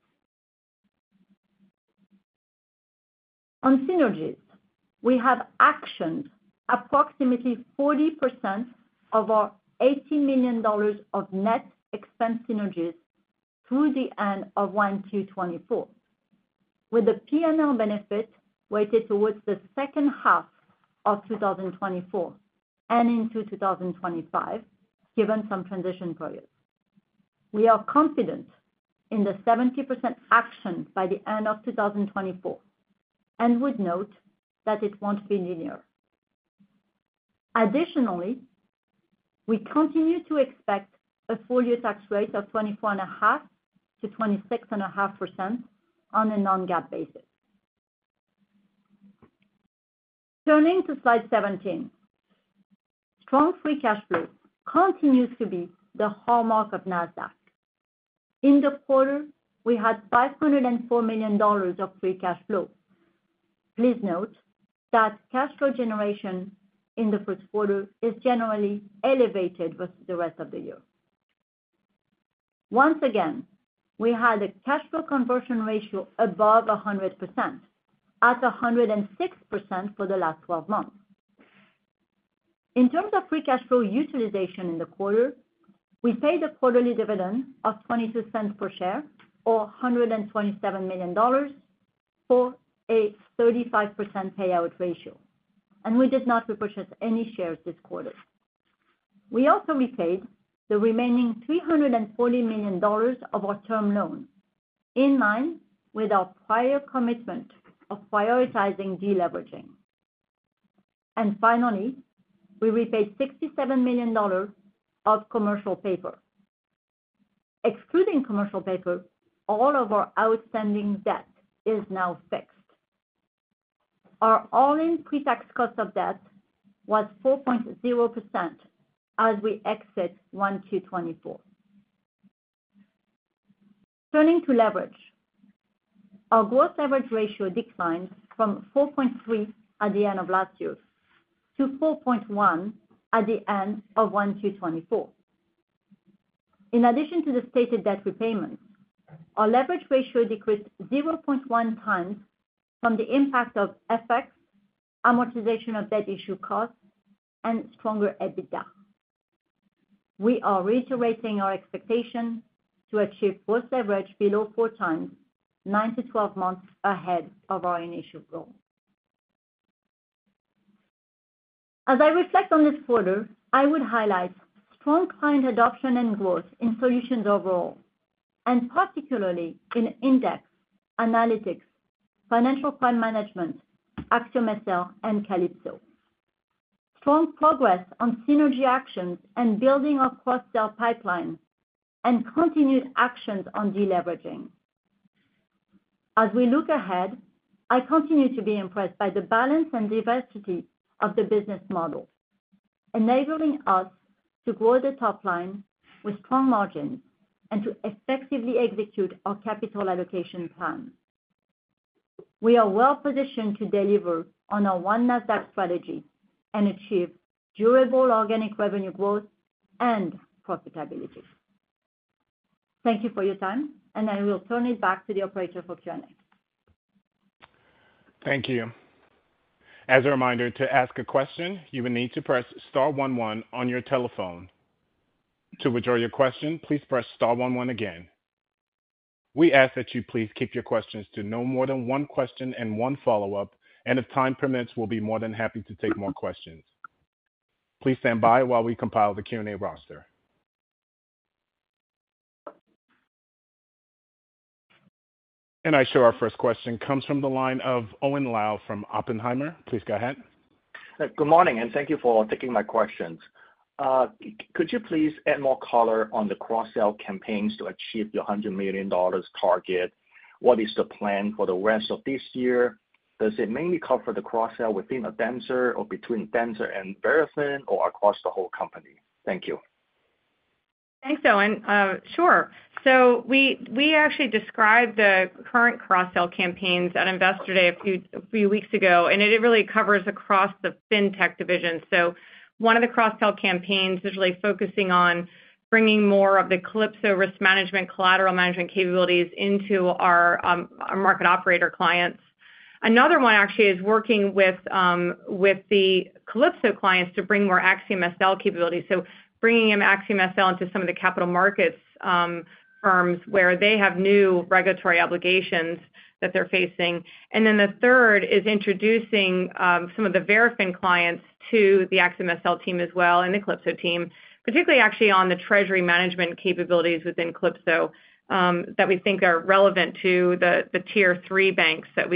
On synergies, we have actioned approximately 40% of our $80 million of net expense synergies through the end of Q1 2024, with the P&L benefit weighted towards the second half of 2024 and into 2025, given some transition periods. We are confident in the 70% action by the end of 2024, and would note that it won't be linear. Additionally, we continue to expect a full year tax rate of 24.5%-26.5% on a non-GAAP basis. Turning to slide 17. Strong free cash flow continues to be the hallmark of Nasdaq. In the quarter, we had $504 million of free cash flow. Please note that cash flow generation in the first quarter is generally elevated versus the rest of the year. Once again, we had a cash flow conversion ratio above 100%, at 106% for the last 12 months. In terms of free cash flow utilization in the quarter, we paid a quarterly dividend of $0.22 per share, or $127 million, for a 35% payout ratio, and we did not repurchase any shares this quarter. We also repaid the remaining $340 million of our term loan, in line with our prior commitment of prioritizing deleveraging. And finally, we repaid $67 million of commercial paper. Excluding commercial paper, all of our outstanding debt is now fixed. Our all-in pre-tax cost of debt was 4.0% as we exit 1Q 2024. Turning to leverage. Our gross leverage ratio declined from 4.3 at the end of last year to 4.1 at the end of 1Q 2024. In addition to the stated debt repayments, our leverage ratio decreased 0.1 times from the impact of FX, amortization of debt issue costs, and stronger EBITDA. We are reiterating our expectation to achieve gross leverage below 4 times, 9-12 months ahead of our initial goal. As I reflect on this quarter, I would highlight strong client adoption and growth in solutions overall, and particularly in index, analytics, financial crime management, AxiomSL, and Calypso. Strong progress on synergy actions and building our cross-sell pipeline and continued actions on deleveraging. As we look ahead, I continue to be impressed by the balance and diversity of the business model, enabling us to grow the top line with strong margins and to effectively execute our capital allocation plan. We are well positioned to deliver on our One Nasdaq strategy and achieve durable organic revenue growth and profitability. Thank you for your time, and I will turn it back to the operator for Q&A. Thank you. As a reminder, to ask a question, you will need to press star one one on your telephone. To withdraw your question, please press star one one again. We ask that you please keep your questions to no more than one question and one follow-up, and if time permits, we'll be more than happy to take more questions. Please stand by while we compile the Q&A roster. And I show our first question comes from the line of Owen Lau from Oppenheimer. Please go ahead. Good morning, and thank you for taking my questions. Could you please add more color on the cross-sell campaigns to achieve your $100 million target? What is the plan for the rest of this year? Does it mainly cover the cross-sell within Adenza or between Adenza and Verafin, or across the whole company? Thank you.... Thanks, Owen. Sure. So we actually described the current cross-sell campaigns at Investor Day a few weeks ago, and it really covers across the fintech division. So one of the cross-sell campaigns is really focusing on bringing more of the Calypso risk management, collateral management capabilities into our market operator clients. Another one actually is working with the Calypso clients to bring more AxiomSL capabilities. So bringing in AxiomSL into some of the capital markets firms where they have new regulatory obligations that they're facing. And then the third is introducing some of the Verafin clients to the AxiomSL team as well, and the Calypso team, particularly actually on the treasury management capabilities within Calypso, that we think are relevant to the tier three banks that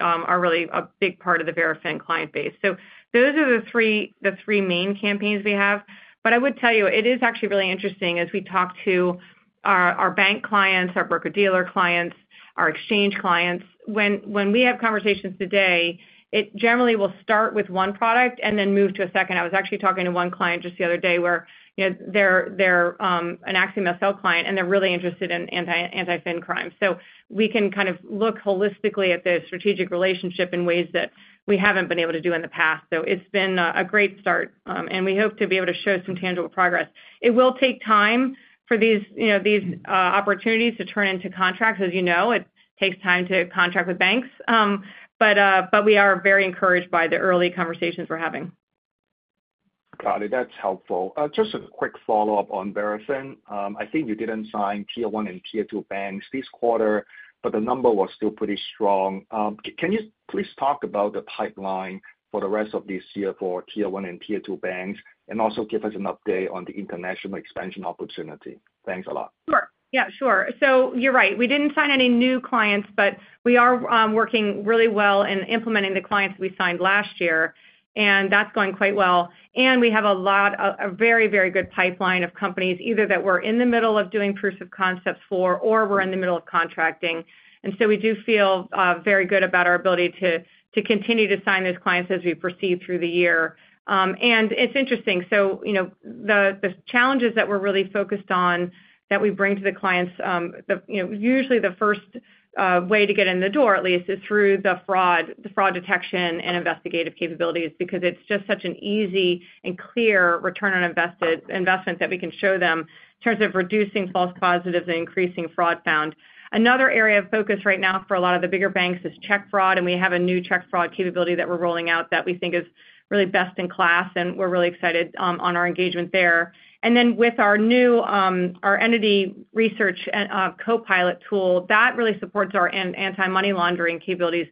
are really a big part of the Verafin client base. So those are the three main campaigns we have. But I would tell you, it is actually really interesting as we talk to our bank clients, our broker-dealer clients, our exchange clients. When we have conversations today, it generally will start with one product and then move to a second. I was actually talking to one client just the other day where, you know, they're an AxiomSL client, and they're really interested in anti-financial crime. So we can kind of look holistically at the strategic relationship in ways that we haven't been able to do in the past. So it's been a great start, and we hope to be able to show some tangible progress. It will take time for these, you know, these opportunities to turn into contracts. As you know, it takes time to contract with banks. But we are very encouraged by the early conversations we're having. Got it. That's helpful. Just a quick follow-up on Verafin. I think you didn't sign tier one and tier two banks this quarter, but the number was still pretty strong. Can you please talk about the pipeline for the rest of this year for tier one and tier two banks, and also give us an update on the international expansion opportunity? Thanks a lot. Sure. Yeah, sure. So you're right, we didn't sign any new clients, but we are working really well in implementing the clients we signed last year, and that's going quite well. And we have a lot... a very, very good pipeline of companies, either that we're in the middle of doing proofs of concepts for or we're in the middle of contracting. And so we do feel very good about our ability to continue to sign those clients as we proceed through the year. And it's interesting. So, you know, the challenges that we're really focused on that we bring to the clients, you know, usually the first way to get in the door, at least, is through the fraud detection and investigative capabilities, because it's just such an easy and clear return on investment that we can show them in terms of reducing false positives and increasing fraud found. Another area of focus right now for a lot of the bigger banks is check fraud, and we have a new check fraud capability that we're rolling out that we think is really best in class, and we're really excited on our engagement there. And then with our new, our Entity Research Copilot tool, that really supports our anti-money laundering capabilities.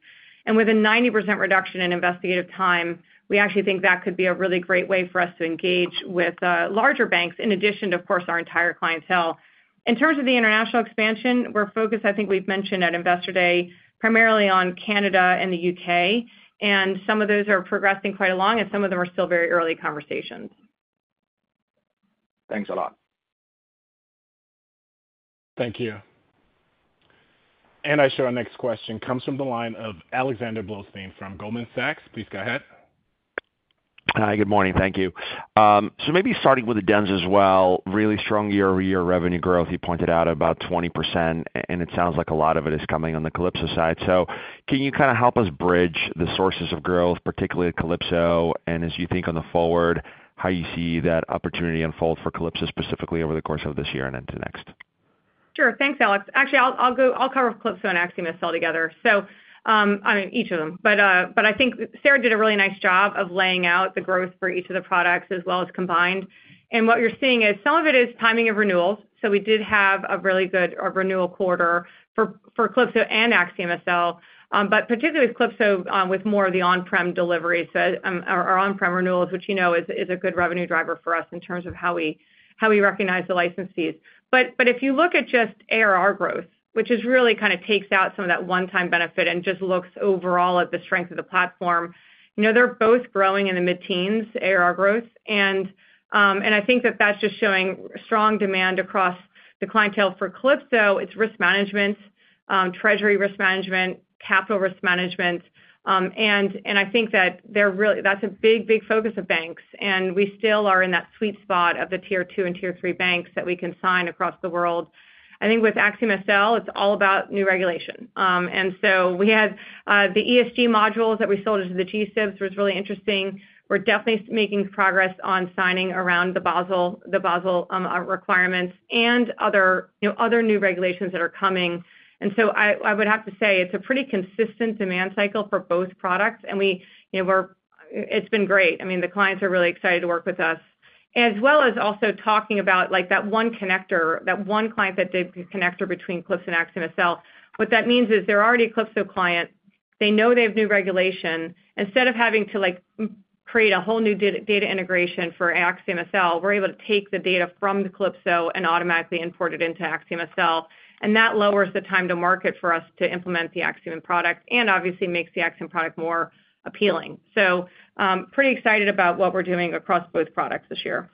With a 90% reduction in investigative time, we actually think that could be a really great way for us to engage with larger banks, in addition to, of course, our entire clientele. In terms of the international expansion, we're focused, I think we've mentioned at Investor Day, primarily on Canada and the U.K., and some of those are progressing quite along, and some of them are still very early conversations. Thanks a lot. Thank you. And our next question comes from the line of Alexander Blostein from Goldman Sachs. Please go ahead. Hi, good morning. Thank you. So maybe starting with Adenza as well, really strong year-over-year revenue growth. You pointed out about 20%, and it sounds like a lot of it is coming on the Calypso side. So can you kind of help us bridge the sources of growth, particularly at Calypso, and as you think on the forward, how you see that opportunity unfold for Calypso specifically over the course of this year and into next? Sure. Thanks, Alex. Actually, I'll go. I'll cover Calypso and AxiomSL together. So, I mean, each of them, but, but I think Sarah did a really nice job of laying out the growth for each of the products as well as combined. And what you're seeing is some of it is timing of renewals, so we did have a really good renewal quarter for Calypso and AxiomSL, but particularly with Calypso, with more of the on-prem delivery. So, our on-prem renewals, which you know is a good revenue driver for us in terms of how we recognize the licenses. But if you look at just ARR growth, which is really kind of takes out some of that one-time benefit and just looks overall at the strength of the platform, you know, they're both growing in the mid-teens, ARR growth. And I think that that's just showing strong demand across the clientele. For Calypso, it's risk management, treasury risk management, capital risk management, and I think that they're really, that's a big, big focus of banks, and we still are in that sweet spot of the tier two and tier three banks that we can sign across the world. I think with AxiomSL, it's all about new regulation. And so we had the ESG modules that we sold to the G-TIBs, was really interesting. We're definitely making progress on signing around the Basel requirements and other, you know, other new regulations that are coming. So I would have to say it's a pretty consistent demand cycle for both products, and we, you know, we're... It's been great. I mean, the clients are really excited to work with us. As well as also talking about, like, that one connector, that one client, that the connector between Calypso and AxiomSL. What that means is they're already a Calypso client. They know they have new regulation. Instead of having to, like, create a whole new data integration for AxiomSL, we're able to take the data from the Calypso and automatically import it into AxiomSL, and that lowers the time to market for us to implement the Axiom product and obviously makes the Axiom product more appealing. Pretty excited about what we're doing across both products this year.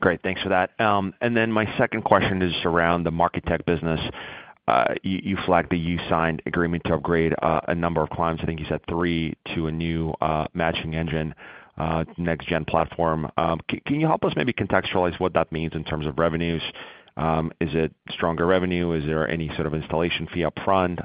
Great, thanks for that. Then my second question is just around the MarketTech business. You flagged that you signed agreement to upgrade a number of clients. I think you said three to a new matching engine next gen platform. Can you help us maybe contextualize what that means in terms of revenues? Is it stronger revenue? Is there any sort of installation fee upfront,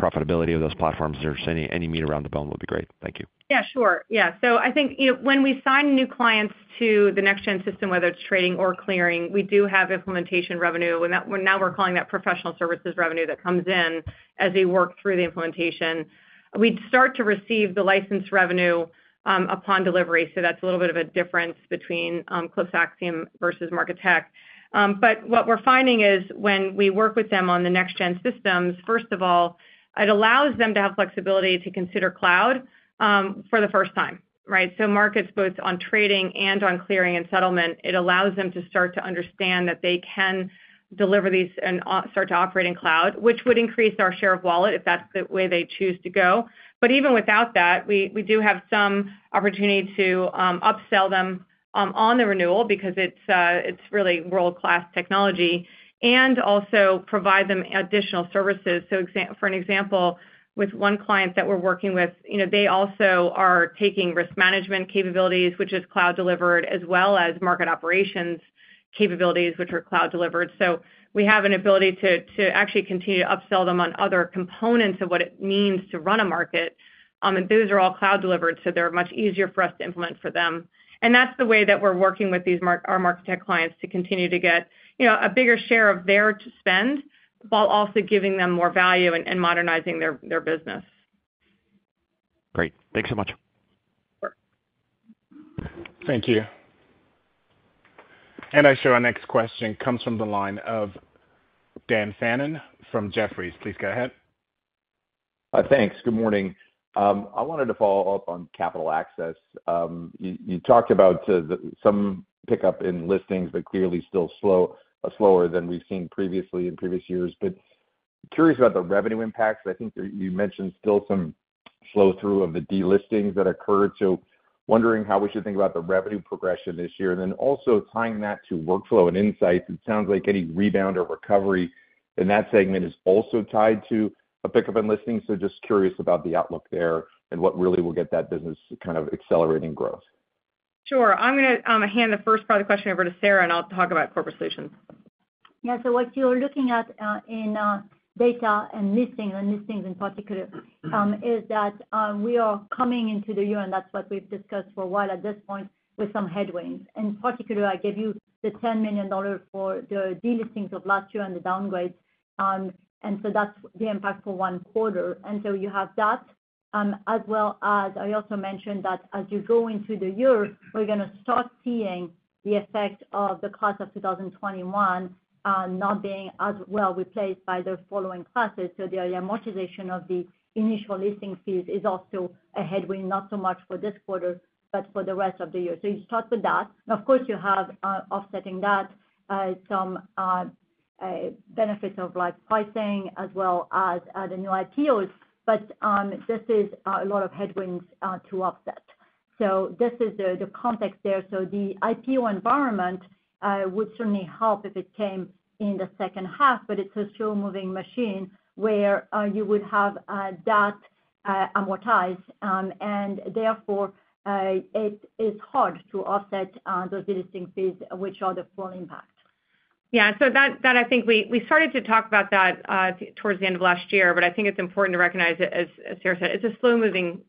profitability of those platforms? Is there any meat around the bone? That would be great. Thank you. Yeah, sure. Yeah. So I think, you know, when we sign new clients to the next gen system, whether it's trading or clearing, we do have implementation revenue, and that, well, now we're calling that professional services revenue that comes in as they work through the implementation. We'd start to receive the license revenue upon delivery, so that's a little bit of a difference between AxiomSL versus MarketTech. But what we're finding is when we work with them on the next gen systems, first of all, it allows them to have flexibility to consider cloud for the first time, right? So markets, both on trading and on clearing and settlement, it allows them to start to understand that they can deliver these and start to operate in cloud, which would increase our share of wallet, if that's the way they choose to go. But even without that, we do have some opportunity to upsell them on the renewal because it's really world-class technology, and also provide them additional services. So for example, with one client that we're working with, you know, they also are taking risk management capabilities, which is cloud delivered, as well as market operations capabilities, which are cloud delivered. So we have an ability to actually continue to upsell them on other components of what it means to run a market. And those are all cloud delivered, so they're much easier for us to implement for them. And that's the way that we're working with our MarketTech clients to continue to get, you know, a bigger share of their spend, while also giving them more value and modernizing their business. Great. Thanks so much. Sure. Thank you. And I show our next question comes from the line of Dan Fannon from Jefferies. Please go ahead. Thanks. Good morning. I wanted to follow up on Capital Access. You talked about some pickup in listings, but clearly still slow, slower than we've seen previously in previous years. But curious about the revenue impacts, I think you mentioned still some flow-through of the delistings that occurred, so wondering how we should think about the revenue progression this year. And then also tying that to workflow and insights, it sounds like any rebound or recovery in that segment is also tied to a pickup in listings. So just curious about the outlook there and what really will get that business kind of accelerating growth. Sure. I'm gonna hand the first part of the question over to Sarah, and I'll talk about Corporate Solutions. Yeah. So what you're looking at, in data and listings, and listings in particular, is that, we are coming into the year, and that's what we've discussed for a while at this point, with some headwinds. And particularly, I gave you the $10 million for the delistings of last year and the downgrades. And so that's the impact for one quarter. And so you have that, as well as I also mentioned that as you go into the year, we're gonna start seeing the effect of the class of 2021, not being as well replaced by the following classes. So the amortization of the initial listing fees is also a headwind, not so much for this quarter, but for the rest of the year. So you start with that. Of course, you have offsetting that some benefits of like pricing as well as the new IPOs. But this is a lot of headwinds to offset. So this is the context there. So the IPO environment would certainly help if it came in the second half, but it's a slow-moving machine where you would have that amortized. And therefore it is hard to offset those delisting fees, which are the full impact. Yeah. So that I think we started to talk about that towards the end of last year, but I think it's important to recognize it, as Sarah said, it's a slow-moving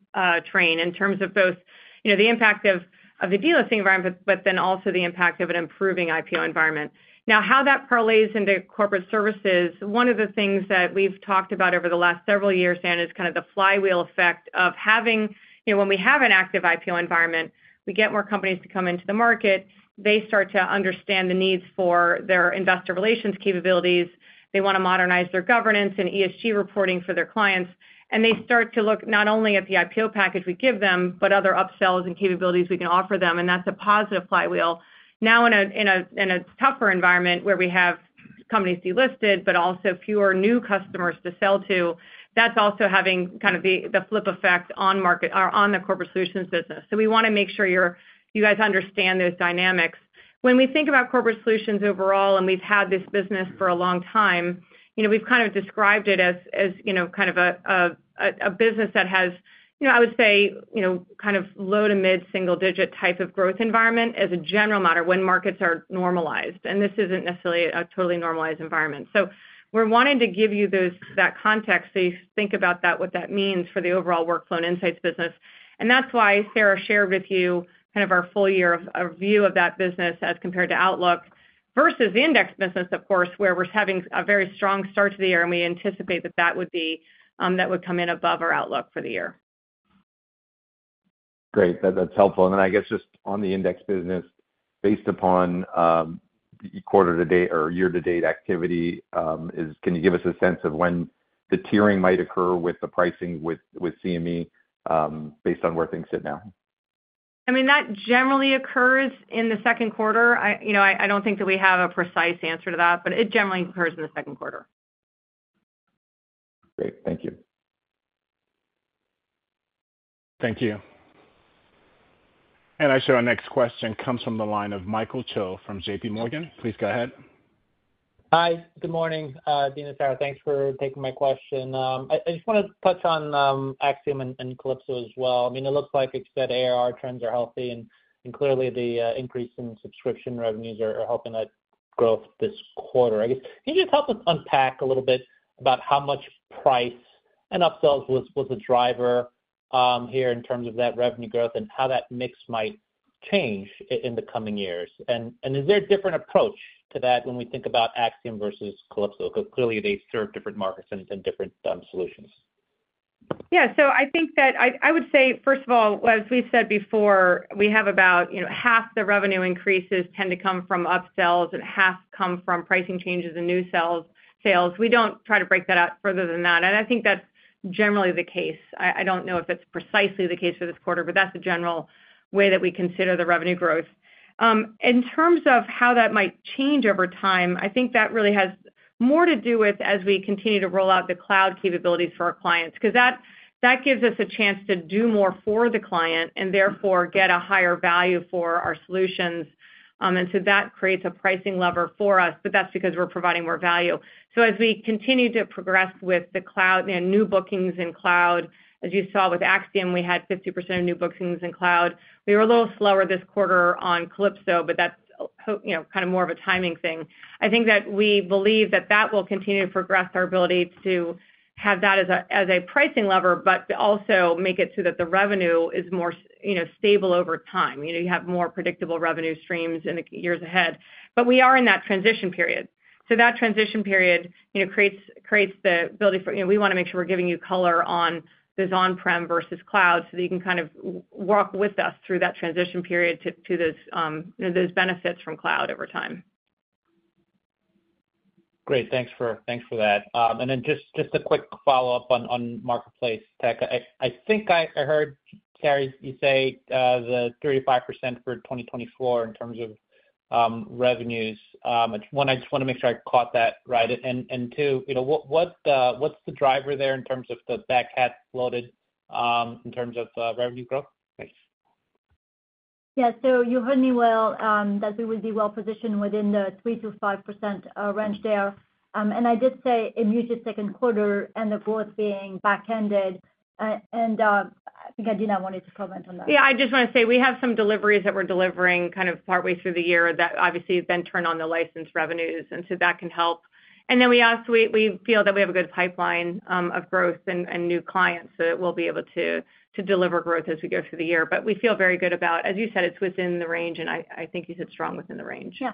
train in terms of both, you know, the impact of the delisting environment, but then also the impact of an improving IPO environment. Now, how that parlays into corporate services, one of the things that we've talked about over the last several years, Dan, is kind of the flywheel effect of having... You know, when we have an active IPO environment, we get more companies to come into the market. They start to understand the needs for their investor relations capabilities. They want to modernize their governance and ESG reporting for their clients, and they start to look not only at the IPO package we give them, but other upsells and capabilities we can offer them, and that's a positive flywheel. Now, in a tougher environment, where we have companies delisted but also fewer new customers to sell to, that's also having kind of the flip effect on market or on the corporate solutions business. So we wanna make sure you guys understand those dynamics. When we think about corporate solutions overall, and we've had this business for a long time, you know, we've kind of described it as, as, you know, kind of a business that has, you know, I would say, you know, kind of low to mid single digit type of growth environment as a general matter when markets are normalized, and this isn't necessarily a totally normalized environment. So we're wanting to give you that context, so you think about that, what that means for the overall workflow and insights business. And that's why Sarah shared with you kind of our full year view of that business as compared to outlook, versus the index business, of course, where we're having a very strong start to the year, and we anticipate that that would be, that would come in above our outlook for the year. Great. That, that's helpful. And then I guess just on the index business, based upon, quarter to date or year to date activity, can you give us a sense of when the tiering might occur with the pricing with, with CME, based on where things sit now? I mean, that generally occurs in the second quarter. I, you know, don't think that we have a precise answer to that, but it generally occurs in the second quarter. Great. Thank you.... Thank you. And our next question comes from the line of Michael Cho from JPMorgan. Please go ahead. Hi, good morning, Adena and Sarah, thanks for taking my question. I just want to touch on AxiomSL and Calypso as well. I mean, it looks like you said ARR trends are healthy, and clearly the increase in subscription revenues are helping that growth this quarter. I guess, can you just help us unpack a little bit about how much price and upsells was a driver here in terms of that revenue growth and how that mix might change in the coming years? And is there a different approach to that when we think about AxiomSL versus Calypso? Because clearly they serve different markets and different solutions. Yeah. So I think that I, I would say, first of all, as we've said before, we have about, you know, half the revenue increases tend to come from upsells and half come from pricing changes and new sales. We don't try to break that out further than that, and I think that's generally the case. I, I don't know if that's precisely the case for this quarter, but that's the general way that we consider the revenue growth. In terms of how that might change over time, I think that really has more to do with, as we continue to roll out the cloud capabilities for our clients, because that, that gives us a chance to do more for the client and therefore get a higher value for our solutions. And so that creates a pricing lever for us, but that's because we're providing more value. So as we continue to progress with the cloud and new bookings in cloud, as you saw with AxiomSL, we had 50% of new bookings in cloud. We were a little slower this quarter on Calypso, but that's, you know, kind of more of a timing thing. I think that we believe that that will continue to progress our ability to have that as a, as a pricing lever, but also make it so that the revenue is more, you know, stable over time. You know, you have more predictable revenue streams in the years ahead. But we are in that transition period. So that transition period, you know, creates the ability for... You know, we want to make sure we're giving you color on this on-prem versus cloud, so that you can kind of walk with us through that transition period to, to those, you know, those benefits from cloud over time. Great. Thanks for that. And then just a quick follow-up on Marketplace tech. I think I heard, Carrie, you say the 3%-5% for 2024 in terms of revenues. One, I just want to make sure I caught that right. And two, you know, what's the driver there in terms of the back half loaded in terms of revenue growth? Thanks. Yeah. So you heard me well, that we would be well-positioned within the 3%-5% range there. And I did say in usually second quarter and the growth being back-ended, and I think Adena wanted to comment on that. Yeah, I just want to say we have some deliveries that we're delivering kind of partway through the year that obviously have been turned on the licensed revenues, and so that can help. And then we also feel that we have a good pipeline of growth and new clients, so we'll be able to deliver growth as we go through the year. But we feel very good about... As you said, it's within the range, and I think you said strong within the range. Yeah.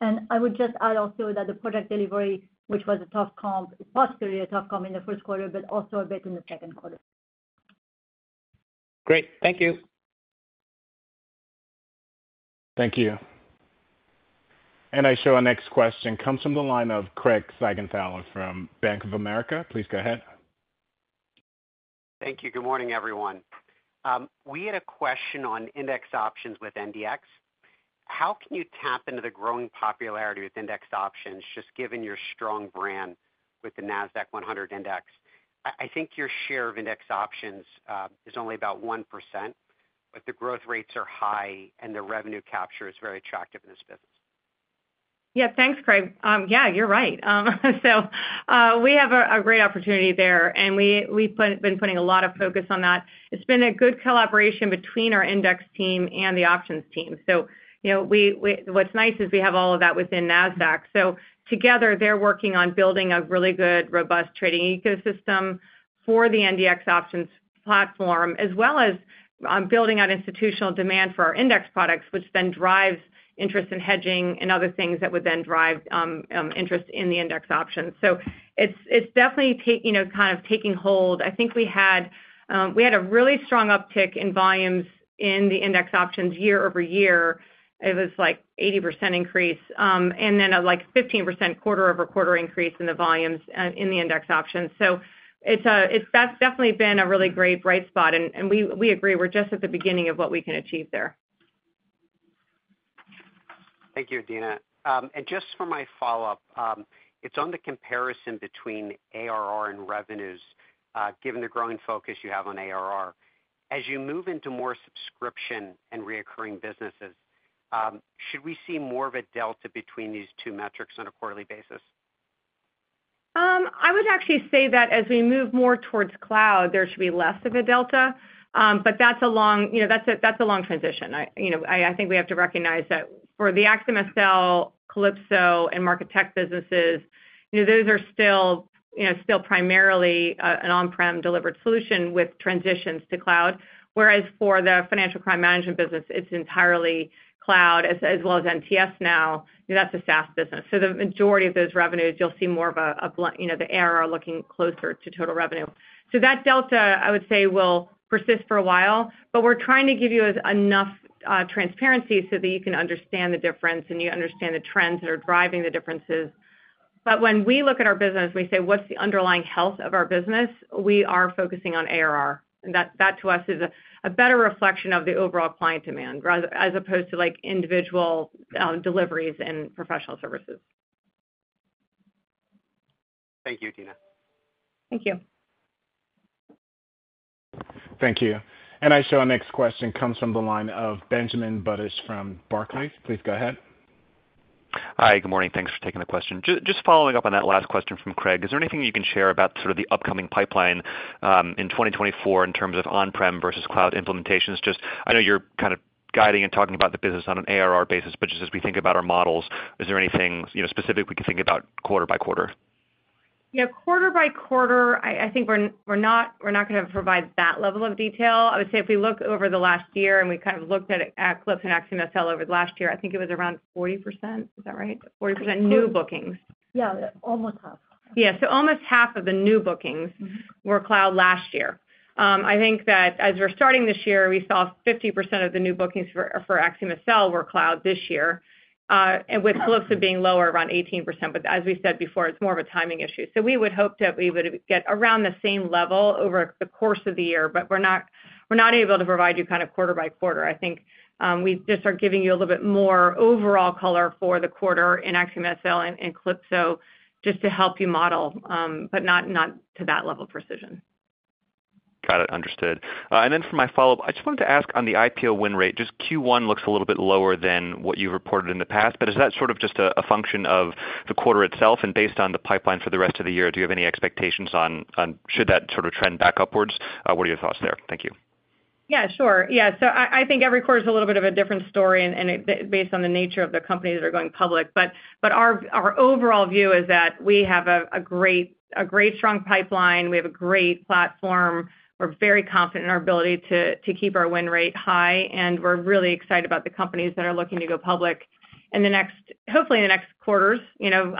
And I would just add also that the product delivery, which was a tough comp, was really a tough comp in the first quarter, but also a bit in the second quarter. Great. Thank you. Thank you. Our next question comes from the line of Craig Siegenthaler from Bank of America. Please go ahead. Thank you. Good morning, everyone. We had a question on index options with NDX. How can you tap into the growing popularity with index options, just given your strong brand with the Nasdaq-100 Index? I think your share of index options is only about 1%, but the growth rates are high and the revenue capture is very attractive in this business. Yeah. Thanks, Craig. Yeah, you're right. So, we have a great opportunity there, and we've been putting a lot of focus on that. It's been a good collaboration between our index team and the options team. So you know, what's nice is we have all of that within Nasdaq. So together, they're working on building a really good, robust trading ecosystem for the NDX options platform, as well as, building out institutional demand for our index products, which then drives interest in hedging and other things that would then drive interest in the index options. So it's definitely taking hold, you know. I think we had a really strong uptick in volumes in the index options year-over-year. It was like 80% increase, and then a, like, 15% quarter-over-quarter increase in the volumes, in the index options. So it's, that's definitely been a really great bright spot, and, and we, we agree, we're just at the beginning of what we can achieve there. Thank you, Adena. And just for my follow-up, it's on the comparison between ARR and revenues, given the growing focus you have on ARR. As you move into more subscription and recurring businesses, should we see more of a delta between these two metrics on a quarterly basis? I would actually say that as we move more towards cloud, there should be less of a delta, but that's a long, you know, transition. I think we have to recognize that for the AxiomSL, Calypso, and Market Tech businesses, you know, those are still, you know, still primarily an on-prem delivered solution with transitions to cloud. Whereas for the financial crime management business, it's entirely cloud, as well as MTF now, that's a SaaS business. So the majority of those revenues, you'll see more of a you know, the error looking closer to total revenue. So that delta, I would say, will persist for a while, but we're trying to give you enough transparency so that you can understand the difference and you understand the trends that are driving the differences. But when we look at our business, we say, "What's the underlying health of our business?" We are focusing on ARR, and that to us is a better reflection of the overall client demand, rather- as opposed to, like, individual deliveries and professional services.... Thank you, Tina. Thank you. Thank you. And I show our next question comes from the line of Benjamin Budish from Barclays. Please go ahead. Hi, good morning. Thanks for taking the question. Just following up on that last question from Craig, is there anything you can share about sort of the upcoming pipeline in 2024 in terms of on-prem versus cloud implementations? Just I know you're kind of guiding and talking about the business on an ARR basis, but just as we think about our models, is there anything, you know, specific we can think about quarter by quarter? Yeah, quarter by quarter, I think we're not gonna provide that level of detail. I would say if we look over the last year, and we kind of looked at Calypso and AxiomSL over the last year, I think it was around 40%. Is that right? 40% new bookings. Yeah, almost half. Yeah, so almost half of the new bookings- Mm-hmm. -were cloud last year. I think that as we're starting this year, we saw 50% of the new bookings for, for AxiomSL were cloud this year, and with Calypso being lower, around 18%. But as we said before, it's more of a timing issue. So we would hope that we would get around the same level over the course of the year, but we're not, we're not able to provide you kind of quarter by quarter. I think, we just are giving you a little bit more overall color for the quarter in AxiomSL and, and Calypso just to help you model, but not, not to that level of precision. Got it. Understood. And then for my follow-up, I just wanted to ask on the IPO win rate, just Q1 looks a little bit lower than what you reported in the past, but is that sort of just a function of the quarter itself? And based on the pipeline for the rest of the year, do you have any expectations on should that sort of trend back upwards? What are your thoughts there? Thank you. Yeah, sure. Yeah, so I think every quarter is a little bit of a different story and based on the nature of the companies that are going public. But our overall view is that we have a great strong pipeline. We have a great platform. We're very confident in our ability to keep our win rate high, and we're really excited about the companies that are looking to go public in the next hopefully in the next quarters, you know.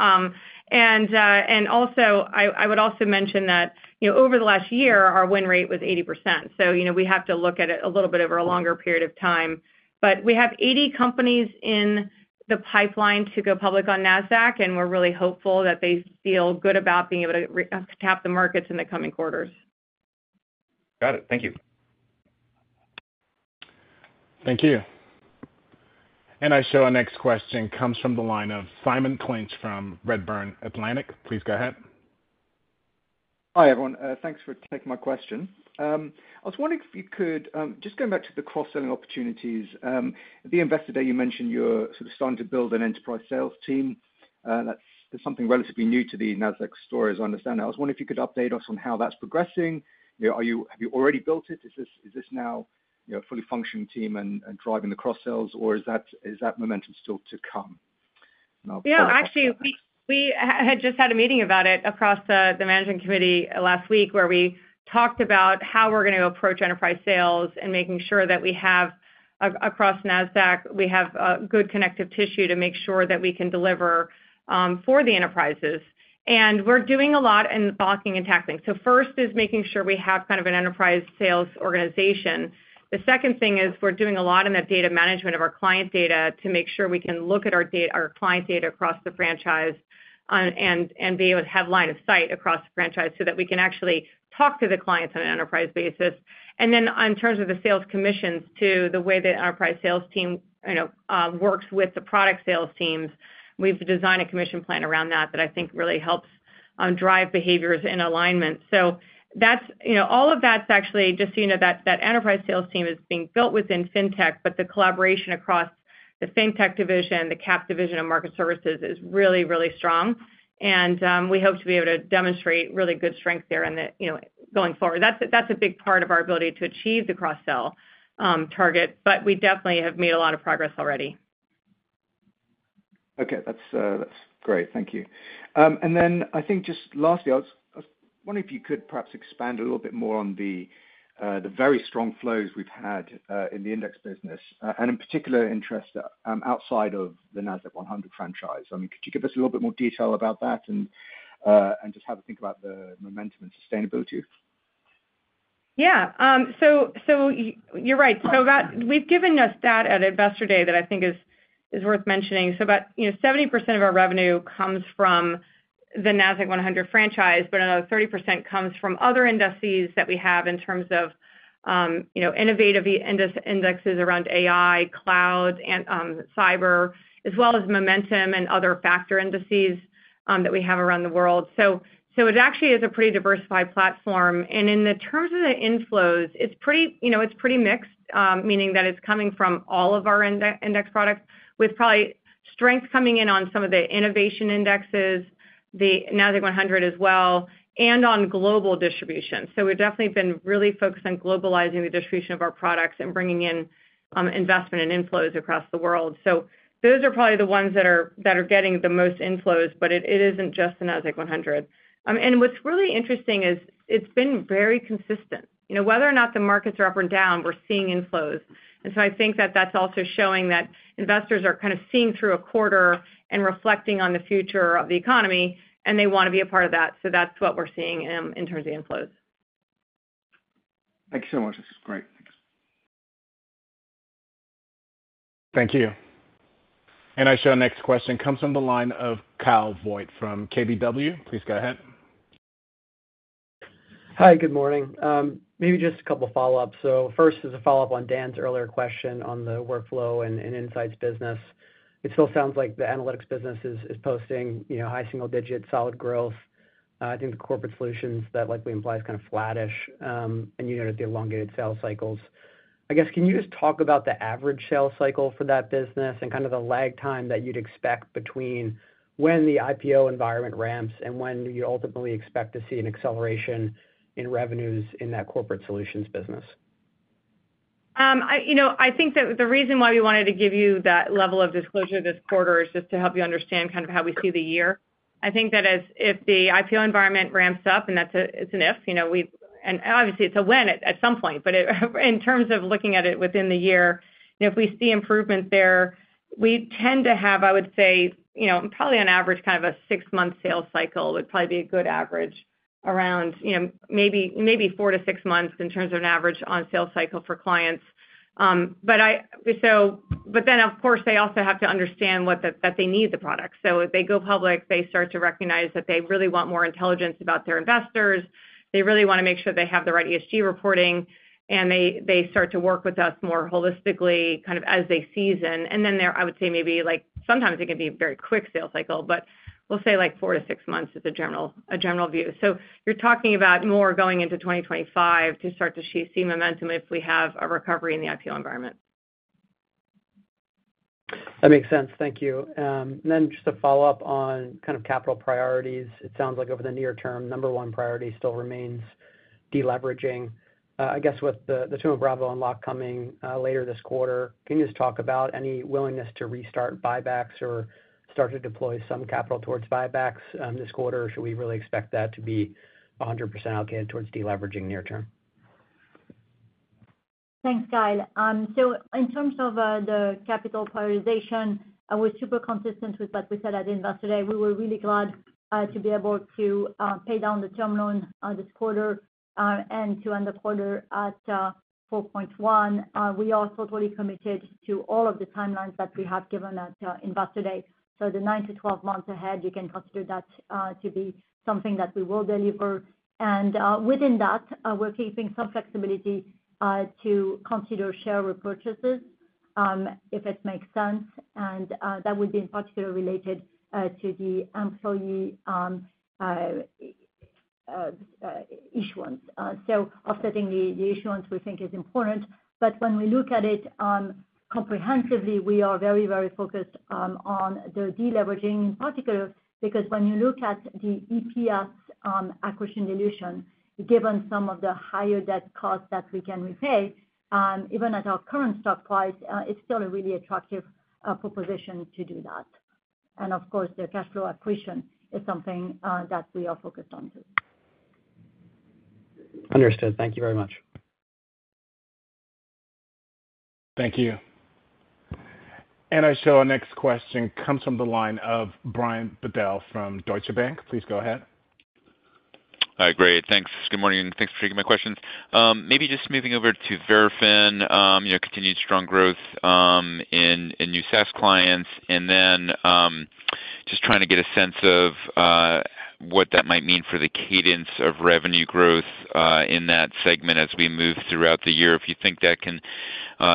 And also, I would also mention that, you know, over the last year, our win rate was 80%. So, you know, we have to look at it a little bit over a longer period of time. We have 80 companies in the pipeline to go public on Nasdaq, and we're really hopeful that they feel good about being able to re-tap the markets in the coming quarters. Got it. Thank you. Thank you. I show our next question comes from the line of Simon Clinch from Redburn Atlantic. Please go ahead. Hi, everyone. Thanks for taking my question. I was wondering if you could, just going back to the cross-selling opportunities. The Investor Day, you mentioned you're sort of starting to build an enterprise sales team. That's something relatively new to the Nasdaq story, as I understand that. I was wondering if you could update us on how that's progressing. You know, have you already built it? Is this now, you know, a fully functioning team and driving the cross-sells, or is that momentum still to come? Yeah, actually, we had just had a meeting about it across the management committee last week, where we talked about how we're gonna approach enterprise sales and making sure that we have across Nasdaq, we have good connective tissue to make sure that we can deliver for the enterprises. And we're doing a lot in blocking and tackling. So first is making sure we have kind of an enterprise sales organization. The second thing is we're doing a lot in the data management of our client data to make sure we can look at our client data across the franchise and be able to have line of sight across the franchise, so that we can actually talk to the clients on an enterprise basis. And then in terms of the sales commissions, too, the way the enterprise sales team, you know, works with the product sales teams, we've designed a commission plan around that, that I think really helps drive behaviors and alignment. So that's, you know, all of that's actually just, you know, that, that enterprise sales team is being built within Fintech, but the collaboration across the Fintech division, the Cap division and Market Services is really, really strong. And we hope to be able to demonstrate really good strength there and that, you know, going forward. That's a, that's a big part of our ability to achieve the cross-sell target, but we definitely have made a lot of progress already. Okay. That's, that's great. Thank you. And then I think just lastly, I was, I was wondering if you could perhaps expand a little bit more on the, the very strong flows we've had, in the index business, and in particular, interest, outside of the Nasdaq One Hundred franchise. I mean, could you give us a little bit more detail about that and, and just how to think about the momentum and sustainability? Yeah. So you're right. So we've given a stat at Investor Day that I think is worth mentioning. So about, you know, 70% of our revenue comes from the Nasdaq One Hundred franchise, but another 30% comes from other indices that we have in terms of, you know, innovative indexes around AI, cloud, and cyber, as well as momentum and other factor indices that we have around the world. So it actually is a pretty diversified platform. And in the terms of the inflows, it's pretty, you know, it's pretty mixed, meaning that it's coming from all of our index products, with probably strength coming in on some of the innovation indexes, the Nasdaq One Hundred as well, and on global distribution. So we've definitely been really focused on globalizing the distribution of our products and bringing in, investment and inflows across the world. So those are probably the ones that are getting the most inflows, but it isn't just the Nasdaq-100. And what's really interesting is it's been very consistent. You know, whether or not the markets are up or down, we're seeing inflows. And so I think that that's also showing that investors are kind of seeing through a quarter and reflecting on the future of the economy, and they want to be a part of that. So that's what we're seeing, in terms of inflows. Thank you so much. This is great. Thanks. Thank you. And I show our next question comes from the line of Kyle Voigt from KBW. Please go ahead. Hi, good morning. Maybe just a couple follow-ups. So first is a follow-up on Dan's earlier question on the workflow and insights business. It still sounds like the analytics business is posting, you know, high single digits, solid growth. I think the corporate solutions that likely implies kind of flattish, and you noted the elongated sales cycles. I guess, can you just talk about the average sales cycle for that business and kind of the lag time that you'd expect between when the IPO environment ramps and when you ultimately expect to see an acceleration in revenues in that corporate solutions business? You know, I think that the reason why we wanted to give you that level of disclosure this quarter is just to help you understand kind of how we see the year. I think that if the IPO environment ramps up, and that's an if, you know, and obviously, it's a when at some point, but it, in terms of looking at it within the year, you know, if we see improvement there, we tend to have, I would say, you know, probably on average, kind of a 6-month sales cycle, would probably be a good average around, you know, maybe, maybe 4-6 months in terms of an average on sales cycle for clients. But then, of course, they also have to understand that they need the product. So if they go public, they start to recognize that they really want more intelligence about their investors. They really wanna make sure they have the right ESG reporting, and they start to work with us more holistically, kind of as they season. And then they're, I would say maybe, like, sometimes it can be a very quick sales cycle, but we'll say, like, four to six months is a general view. So you're talking about more going into 2025 to start to see momentum if we have a recovery in the IPO environment. That makes sense. Thank you. And then just to follow up on kind of capital priorities. It sounds like over the near term, number 1 priority still remains deleveraging. I guess with the Thoma Bravo unlock coming later this quarter, can you just talk about any willingness to restart buybacks or start to deploy some capital towards buybacks this quarter? Or should we really expect that to be 100% allocated towards deleveraging near term? Thanks, Kyle. So in terms of the capital prioritization, we're super consistent with what we said at Investor Day. We were really glad to be able to pay down the term loan this quarter and to end the quarter at 4.1. We are totally committed to all of the timelines that we have given at Investor Day. So the 9-12 months ahead, you can consider that to be something that we will deliver. And within that, we're keeping some flexibility to consider share repurchases if it makes sense, and that would be in particular related to the employee issuance. So, offsetting the issuance, we think is important, but when we look at it comprehensively, we are very, very focused on the deleveraging, in particular, because when you look at the EPS acquisition dilution, given some of the higher debt costs that we can repay, even at our current stock price, it's still a really attractive proposition to do that. And of course, the cash flow accretion is something that we are focused on, too. Understood. Thank you very much. Thank you. And our next question comes from the line of Brian Bedell from Deutsche Bank. Please go ahead. Hi, great. Thanks. Good morning, and thanks for taking my questions. Maybe just moving over to Verafin, you know, continued strong growth in new SaaS clients. And then, just trying to get a sense of what that might mean for the cadence of revenue growth in that segment as we move throughout the year. If you think that can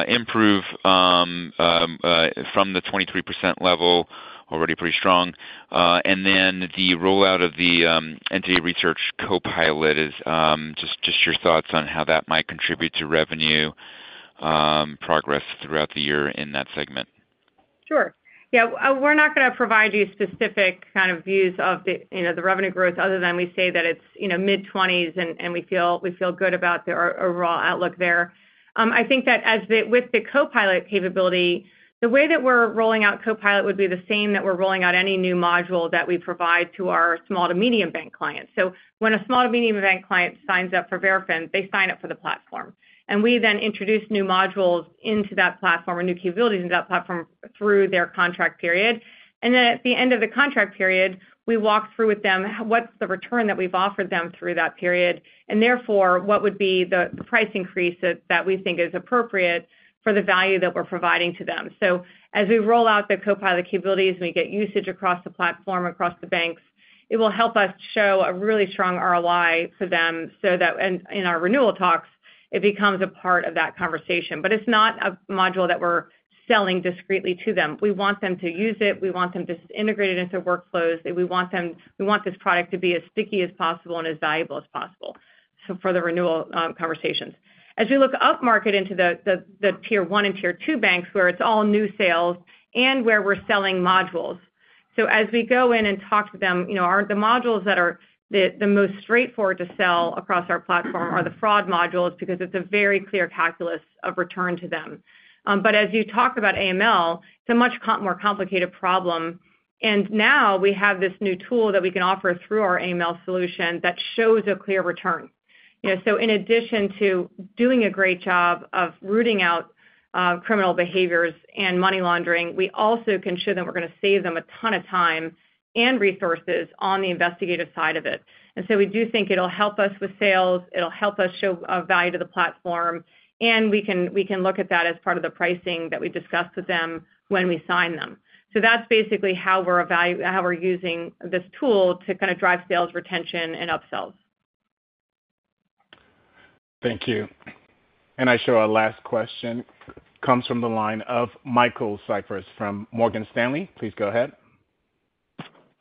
improve from the 23% level, already pretty strong. And then the rollout of the Entity Research Copilot is just your thoughts on how that might contribute to revenue progress throughout the year in that segment. Sure. Yeah, we're not gonna provide you specific kind of views of the, you know, the revenue growth other than we say that it's, you know, mid-twenties, and we feel good about our overall outlook there. I think that as with the copilot capability, the way that we're rolling out copilot would be the same that we're rolling out any new module that we provide to our small to medium bank clients. So when a small to medium bank client signs up for Verafin, they sign up for the platform. We then introduce new modules into that platform or new capabilities into that platform through their contract period. And then at the end of the contract period, we walk through with them, what's the return that we've offered them through that period, and therefore, what would be the price increase that, that we think is appropriate for the value that we're providing to them. So as we roll out the copilot capabilities, and we get usage across the platform, across the banks, it will help us show a really strong ROI to them so that- and in our renewal talks, it becomes a part of that conversation. But it's not a module that we're selling discreetly to them. We want them to use it, we want them to integrate it into workflows, and we want them- we want this product to be as sticky as possible and as valuable as possible, so for the renewal, conversations. As you look upmarket into the tier one and tier two banks, where it's all new sales and where we're selling modules. So as we go in and talk to them, you know, the modules that are the most straightforward to sell across our platform are the fraud modules, because it's a very clear calculus of return to them. But as you talk about AML, it's a much more complicated problem, and now we have this new tool that we can offer through our AML solution that shows a clear return. You know, so in addition to doing a great job of rooting out criminal behaviors and money laundering, we also can show them we're gonna save them a ton of time and resources on the investigative side of it. We do think it'll help us with sales, it'll help us show value to the platform, and we can look at that as part of the pricing that we discussed with them when we sign them. So that's basically how we're using this tool to kind of drive sales, retention, and upsells.... Thank you. And I show our last question comes from the line of Michael J. Cyprys from Morgan Stanley. Please go ahead.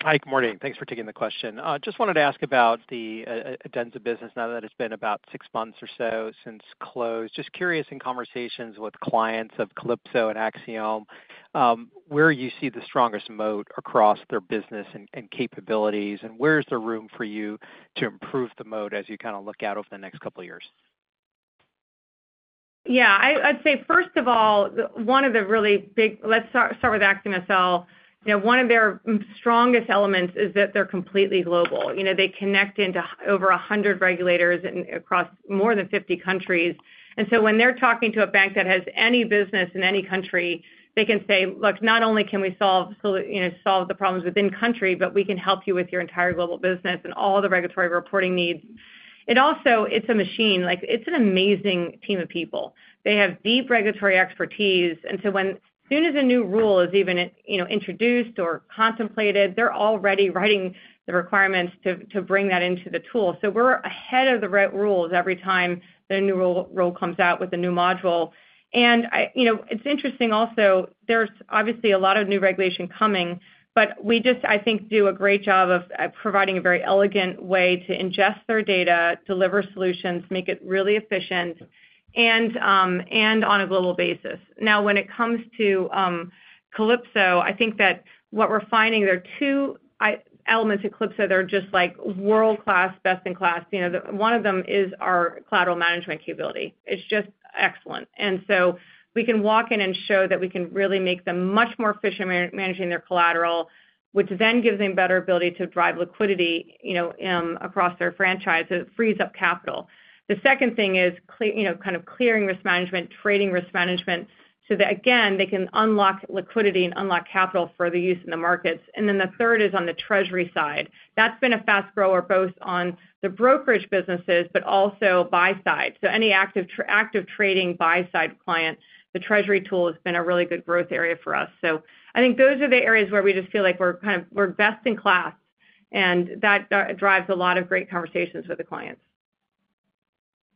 Hi, good morning. Thanks for taking the question. Just wanted to ask about the Adenza business now that it's been about six months or so since close. Just curious, in conversations with clients of Calypso and Axiom, where you see the strongest moat across their business and capabilities, and where is there room for you to improve the moat as you kind of look out over the next couple of years? Yeah, I'd say, first of all, one of the really big. Let's start with AxiomSL. You know, one of their strongest elements is that they're completely global. You know, they connect into over 100 regulators across more than 50 countries. And so when they're talking to a bank that has any business in any country, they can say, "Look, not only can we solve the problems within country, but we can help you with your entire global business and all the regulatory reporting needs." It also, it's a machine. Like, it's an amazing team of people. They have deep regulatory expertise, and so when, as soon as a new rule is even, you know, introduced or contemplated, they're already writing the requirements to bring that into the tool. So we're ahead of the reg rules every time the new rule comes out with a new module. You know, it's interesting also, there's obviously a lot of new regulation coming, but we just, I think, do a great job of providing a very elegant way to ingest their data, deliver solutions, make it really efficient, and on a global basis. Now, when it comes to Calypso, I think that what we're finding, there are two elements of Calypso that are just, like, world-class, best-in-class. You know, the one of them is our collateral management capability. It's just excellent. And so we can walk in and show that we can really make them much more efficient managing their collateral, which then gives them better ability to drive liquidity, you know, across their franchise. It frees up capital. The second thing is clearing, you know, kind of clearing risk management, trading risk management, so that, again, they can unlock liquidity and unlock capital for the use in the markets. And then the third is on the treasury side. That's been a fast grower, both on the brokerage businesses, but also buy side. So any active trading, buy-side client, the treasury tool has been a really good growth area for us. So I think those are the areas where we just feel like we're kind of best in class, and that drives a lot of great conversations with the clients.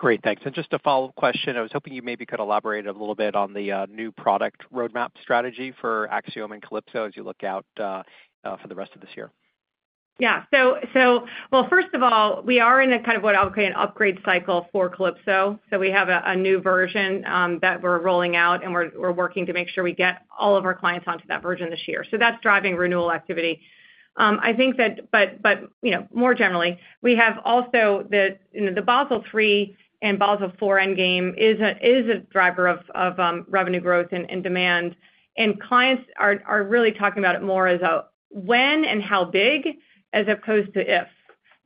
Great, thanks. And just a follow-up question, I was hoping you maybe could elaborate a little bit on the new product roadmap strategy for Axiom and Calypso as you look out for the rest of this year. Yeah. So, well, first of all, we are in a kind of what I'll call an upgrade cycle for Calypso. So we have a new version that we're rolling out, and we're working to make sure we get all of our clients onto that version this year. So that's driving renewal activity. I think that... But, you know, more generally, we have also the, you know, the Basel III and Basel IV endgame is a driver of revenue growth and demand, and clients are really talking about it more as a when and how big, as opposed to if.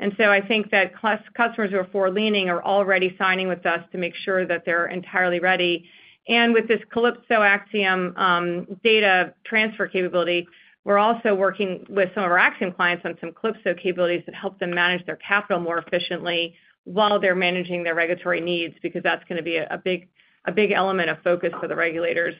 And so I think that customers who are forward-leaning are already signing with us to make sure that they're entirely ready. With this Calypso-Axiom data transfer capability, we're also working with some of our Axiom clients on some Calypso capabilities that help them manage their capital more efficiently while they're managing their regulatory needs, because that's gonna be a big element of focus for the regulators.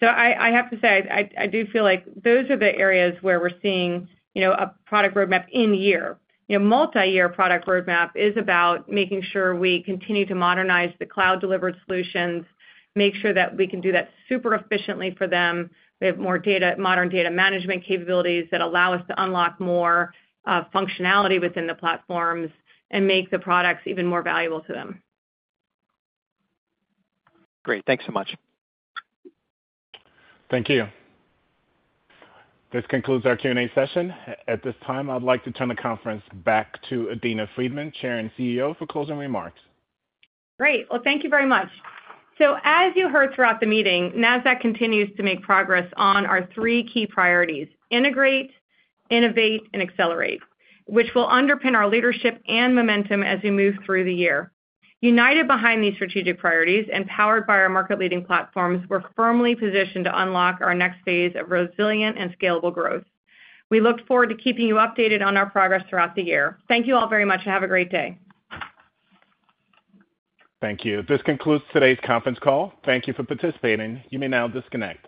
So I have to say, I do feel like those are the areas where we're seeing, you know, a product roadmap in year. You know, multi-year product roadmap is about making sure we continue to modernize the cloud-delivered solutions, make sure that we can do that super efficiently for them. We have more data, modern data management capabilities that allow us to unlock more functionality within the platforms and make the products even more valuable to them. Great. Thanks so much. Thank you. This concludes our Q&A session. At this time, I'd like to turn the conference back to Adena Friedman, Chair and CEO, for closing remarks. Great. Well, thank you very much. So, as you heard throughout the meeting, Nasdaq continues to make progress on our three key priorities: integrate, innovate, and accelerate, which will underpin our leadership and momentum as we move through the year. United behind these strategic priorities and powered by our market-leading platforms, we're firmly positioned to unlock our next phase of resilient and scalable growth. We look forward to keeping you updated on our progress throughout the year. Thank you all very much, and have a great day. Thank you. This concludes today's conference call. Thank you for participating. You may now disconnect.